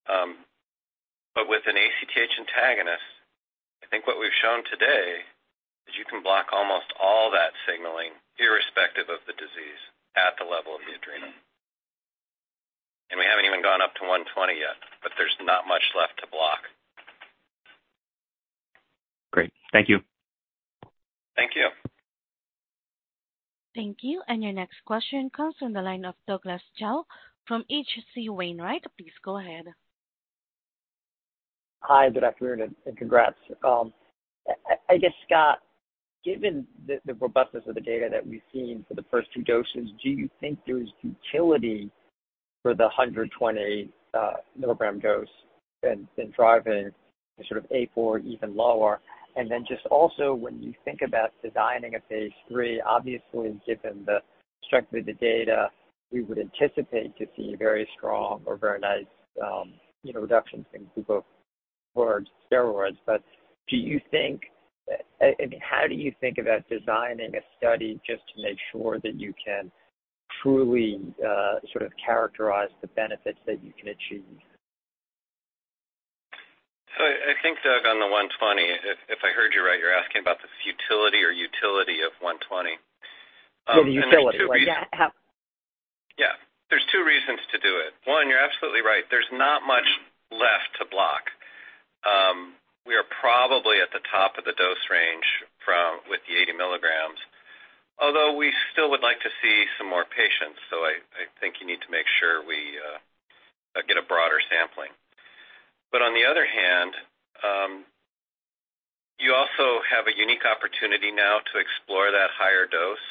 but with an ACTH antagonist, I think what we've shown today is you can block almost all that signaling, irrespective of the disease, at the level of the adrenal. And we haven't even gone up to 120 yet, but there's not much left to block.
Great. Thank you.
Thank you.
Thank you, and your next question comes from the line of Douglas Tsao from H.C. Wainwright. Please go ahead.
Hi, good afternoon, and congrats. I guess, Scott, given the robustness of the data that we've seen for the first two doses, do you think there's futility for the 120 milligram dose in driving the sort of A4 even lower? And then just also, when you think about designing a phase III, obviously, given the strength of the data, we would anticipate to see very strong or very nice, you know, reductions in glucocorticoid steroids. But do you think how do you think about designing a study just to make sure that you can truly sort of characterize the benefits that you can achieve?
So I think, Doug, on the 120, if I heard you right, you're asking about the futility or utility of 120. And there's two reasons-
The utility, yeah.
Yeah. There's two reasons to do it. One, you're absolutely right, there's not much left to block. We are probably at the top of the dose range with the 80 milligrams, although we still would like to see some more patients, so I think you need to make sure we get a broader sampling. But on the other hand, you also have a unique opportunity now to explore that higher dose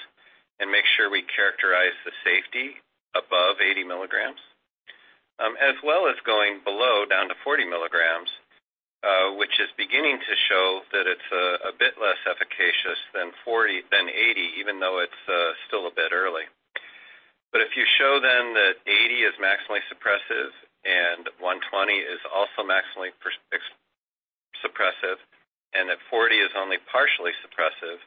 and make sure we characterize the safety above 80 milligrams, as well as going below, down to 40 milligrams, which is beginning to show that it's a bit less efficacious than 80 milligrams, even though it's still a bit early. But if you show then that 80 milligrams is maximally suppressive, and 120 milligrams is also maximally suppressive, and that 40 milligrams is only partially suppressive,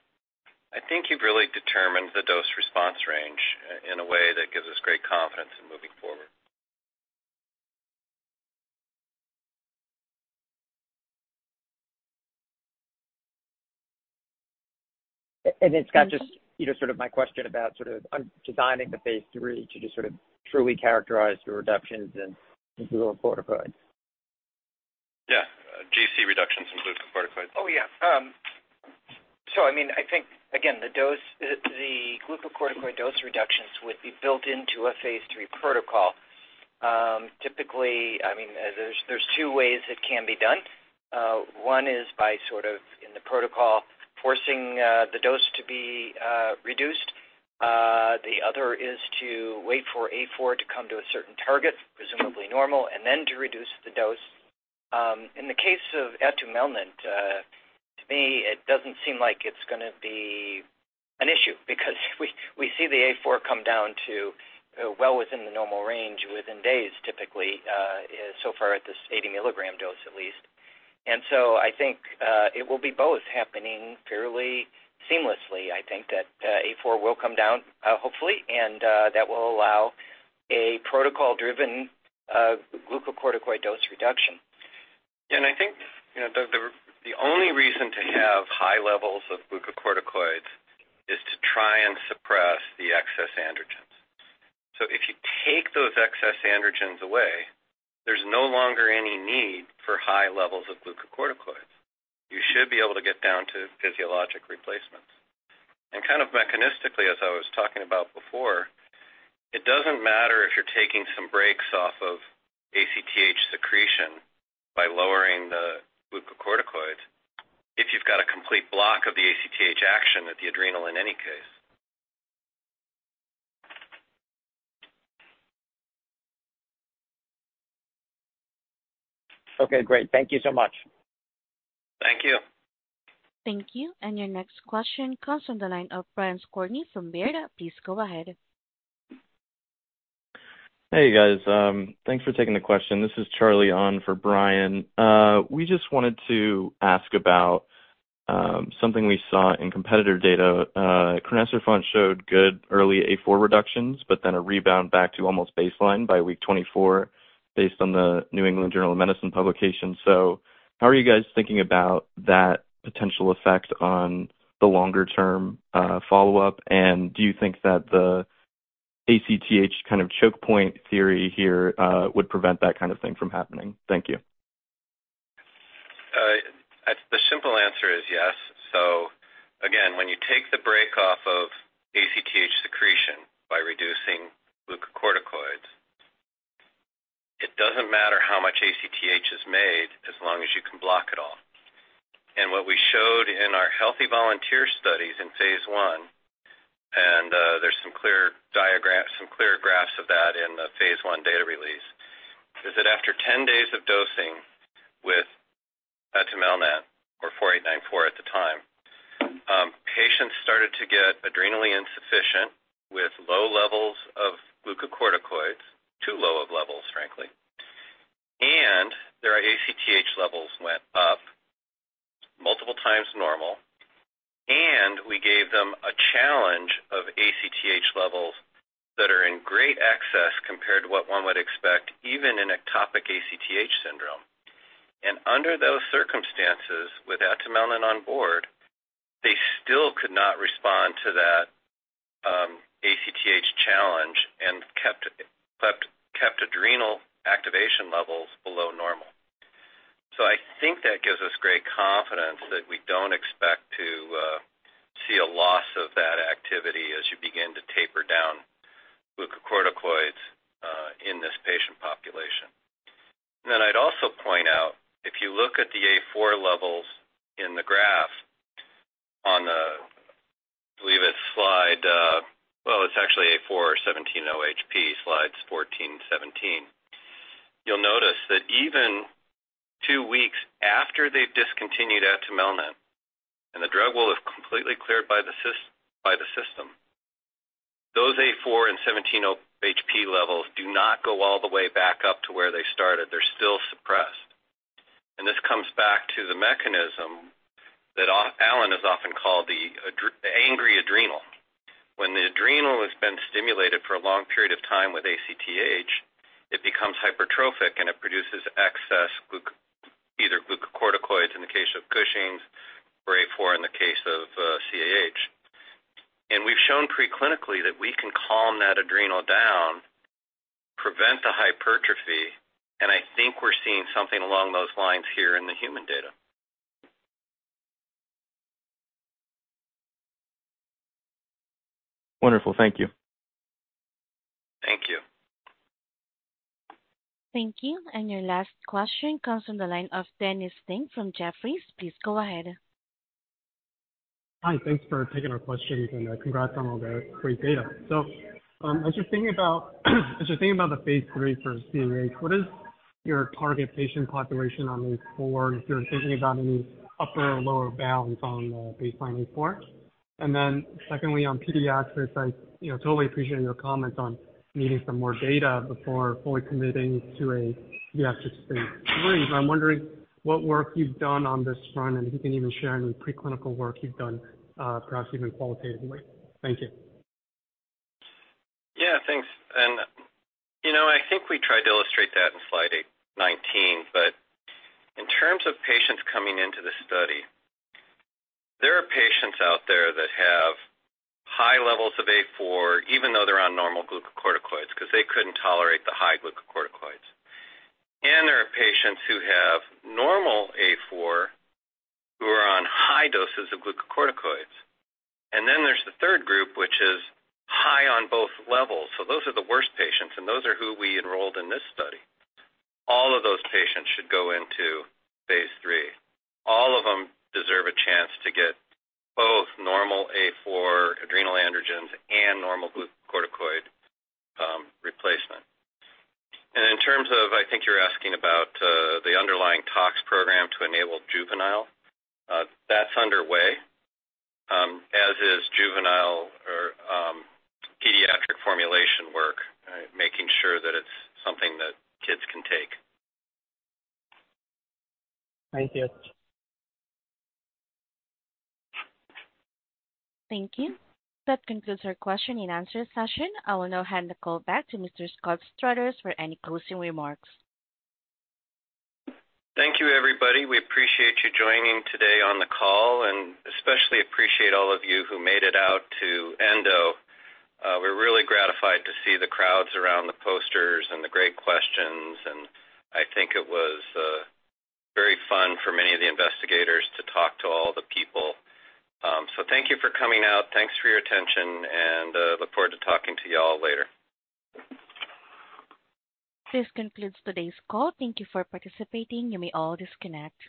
I think you've really determined the dose response range in a way that gives us great confidence in moving forward.
Scott, just, you know, sort of my question about sort of undesigning the phase III to just sort of truly characterize the reductions in glucocorticoids.
Yeah, GC reductions in glucocorticoids.
Oh, yeah. So I mean, I think, again, the dose, the glucocorticoid dose reductions would be built into a phase III protocol. Typically, I mean, there's two ways it can be done. One is by sort of, in the protocol, forcing the dose to be reduced. The other is to wait for A4 to come to a certain target, presumably normal, and then to reduce the dose. In the case of atumelnant, to me, it doesn't seem like it's gonna be an issue, because we see the A4 come down to, well within the normal range, within days, typically, so far at this 80 mg dose, at least. And so I think, it will be both happening fairly seamlessly. I think that A4 will come down, hopefully, and that will allow a protocol-driven glucocorticoid dose reduction.
And I think, you know, the only reason to have high levels of glucocorticoids is to try and suppress the excess androgens. So if you take those excess androgens away, there's no longer any need for high levels of glucocorticoids. You should be able to get down to physiologic replacements. And kind of mechanistically, as I was talking about before, it doesn't matter if you're taking some breaks off of ACTH secretion by lowering the glucocorticoids, if you've got a complete block of the ACTH action at the adrenal in any case.
Okay, great. Thank you so much.
Thank you.
Thank you, and your next question comes from the line of Brian Skorney from Baird. Please go ahead.
Hey, guys. Thanks for taking the question. This is Charlie on for Brian. We just wanted to ask about something we saw in competitor data. Crinecerfont showed good early A4 reductions, but then a rebound back to almost baseline by week 24, based on the New England Journal of Medicine publication. So how are you guys thinking about that potential effect on the longer-term follow-up? And do you think that the ACTH kind of choke point theory here would prevent that kind of thing from happening? Thank you.
The simple answer is yes. So again, when you take the break off of ACTH secretion by reducing glucocorticoids, it doesn't matter how much ACTH is made, as long as you can block it all. And what we showed in our healthy volunteer studies in phase I, and there's some clear diagrams, some clear graphs of that in the phase I data release, is that after 10 days of dosing with atumelnant, or 04894 at the time, patients started to get adrenally insufficient with low levels of glucocorticoids, too low of levels, frankly. And their ACTH levels went up multiple times normal, and we gave them a challenge of ACTH levels that are in great excess compared to what one would expect, even in ectopic ACTH syndrome. Under those circumstances, with atumelnant on board, they still could not respond to that ACTH challenge and kept adrenal activation levels below normal. So I think that gives us great confidence that we don't expect to see a loss of that activity as you begin to taper down glucocorticoids in this patient population. Then I'd also point out, if you look at the A4 levels in the graph on the, I believe it's slide. Well, it's actually A4 17-OHP, slides 14, 17. You'll notice that even 2 weeks after they've discontinued atumelnant, and the drug will have completely cleared by the system, those A4 and 17-OHP levels do not go all the way back up to where they started. They're still suppressed. And this comes back to the mechanism that Alan has often called the angry adrenal. When the adrenal has been stimulated for a long period of time with ACTH, it becomes hypertrophic, and it produces excess either glucocorticoids, in the case of Cushing's, or A4, in the case of CAH. And we've shown preclinically that we can calm that adrenal down, prevent the hypertrophy, and I think we're seeing something along those lines here in the human data.
Wonderful. Thank you.
Thank you.
Thank you. And your last question comes from the line of Dennis Ding from Jefferies. Please go ahead.
Hi, thanks for taking our questions, and congrats on all the great data. So, as you're thinking about, as you're thinking about the phase III for CAH, what is your target patient population on A4? If you're thinking about any upper or lower bounds on the baseline A4. And then secondly, on pediatrics, I you know, totally appreciate your comments on needing some more data before fully committing to a pediatric phase III. But I'm wondering what work you've done on this front, and if you can even share any preclinical work you've done, perhaps even qualitatively. Thank you.
Yeah, thanks. You know, I think we tried to illustrate that in slide 19. But in terms of patients coming into the study, there are patients out there that have high levels of A4, even though they're on normal glucocorticoids, because they couldn't tolerate the high glucocorticoids. And there are patients who have normal A4, who are on high doses of glucocorticoids. And then there's the third group, which is high on both levels, so those are the worst patients, and those are who we enrolled in this study. All of those patients should go into phase III. All of them deserve a chance to get both normal A4 adrenal androgens and normal glucocorticoid replacement. And in terms of, I think you're asking about the underlying tox program to enable juvenile. That's underway, as is pediatric formulation work, making sure that it's something that kids can take.
Thank you.
Thank you. That concludes our question and answer session. I will now hand the call back to Mr. Scott Struthers for any closing remarks.
Thank you, everybody. We appreciate you joining today on the call, and especially appreciate all of you who made it out to Endo. We're really gratified to see the crowds around the posters and the great questions, and I think it was very fun for many of the investigators to talk to all the people. So thank you for coming out. Thanks for your attention, and look forward to talking to you all later.
This concludes today's call. Thank you for participating. You may all disconnect.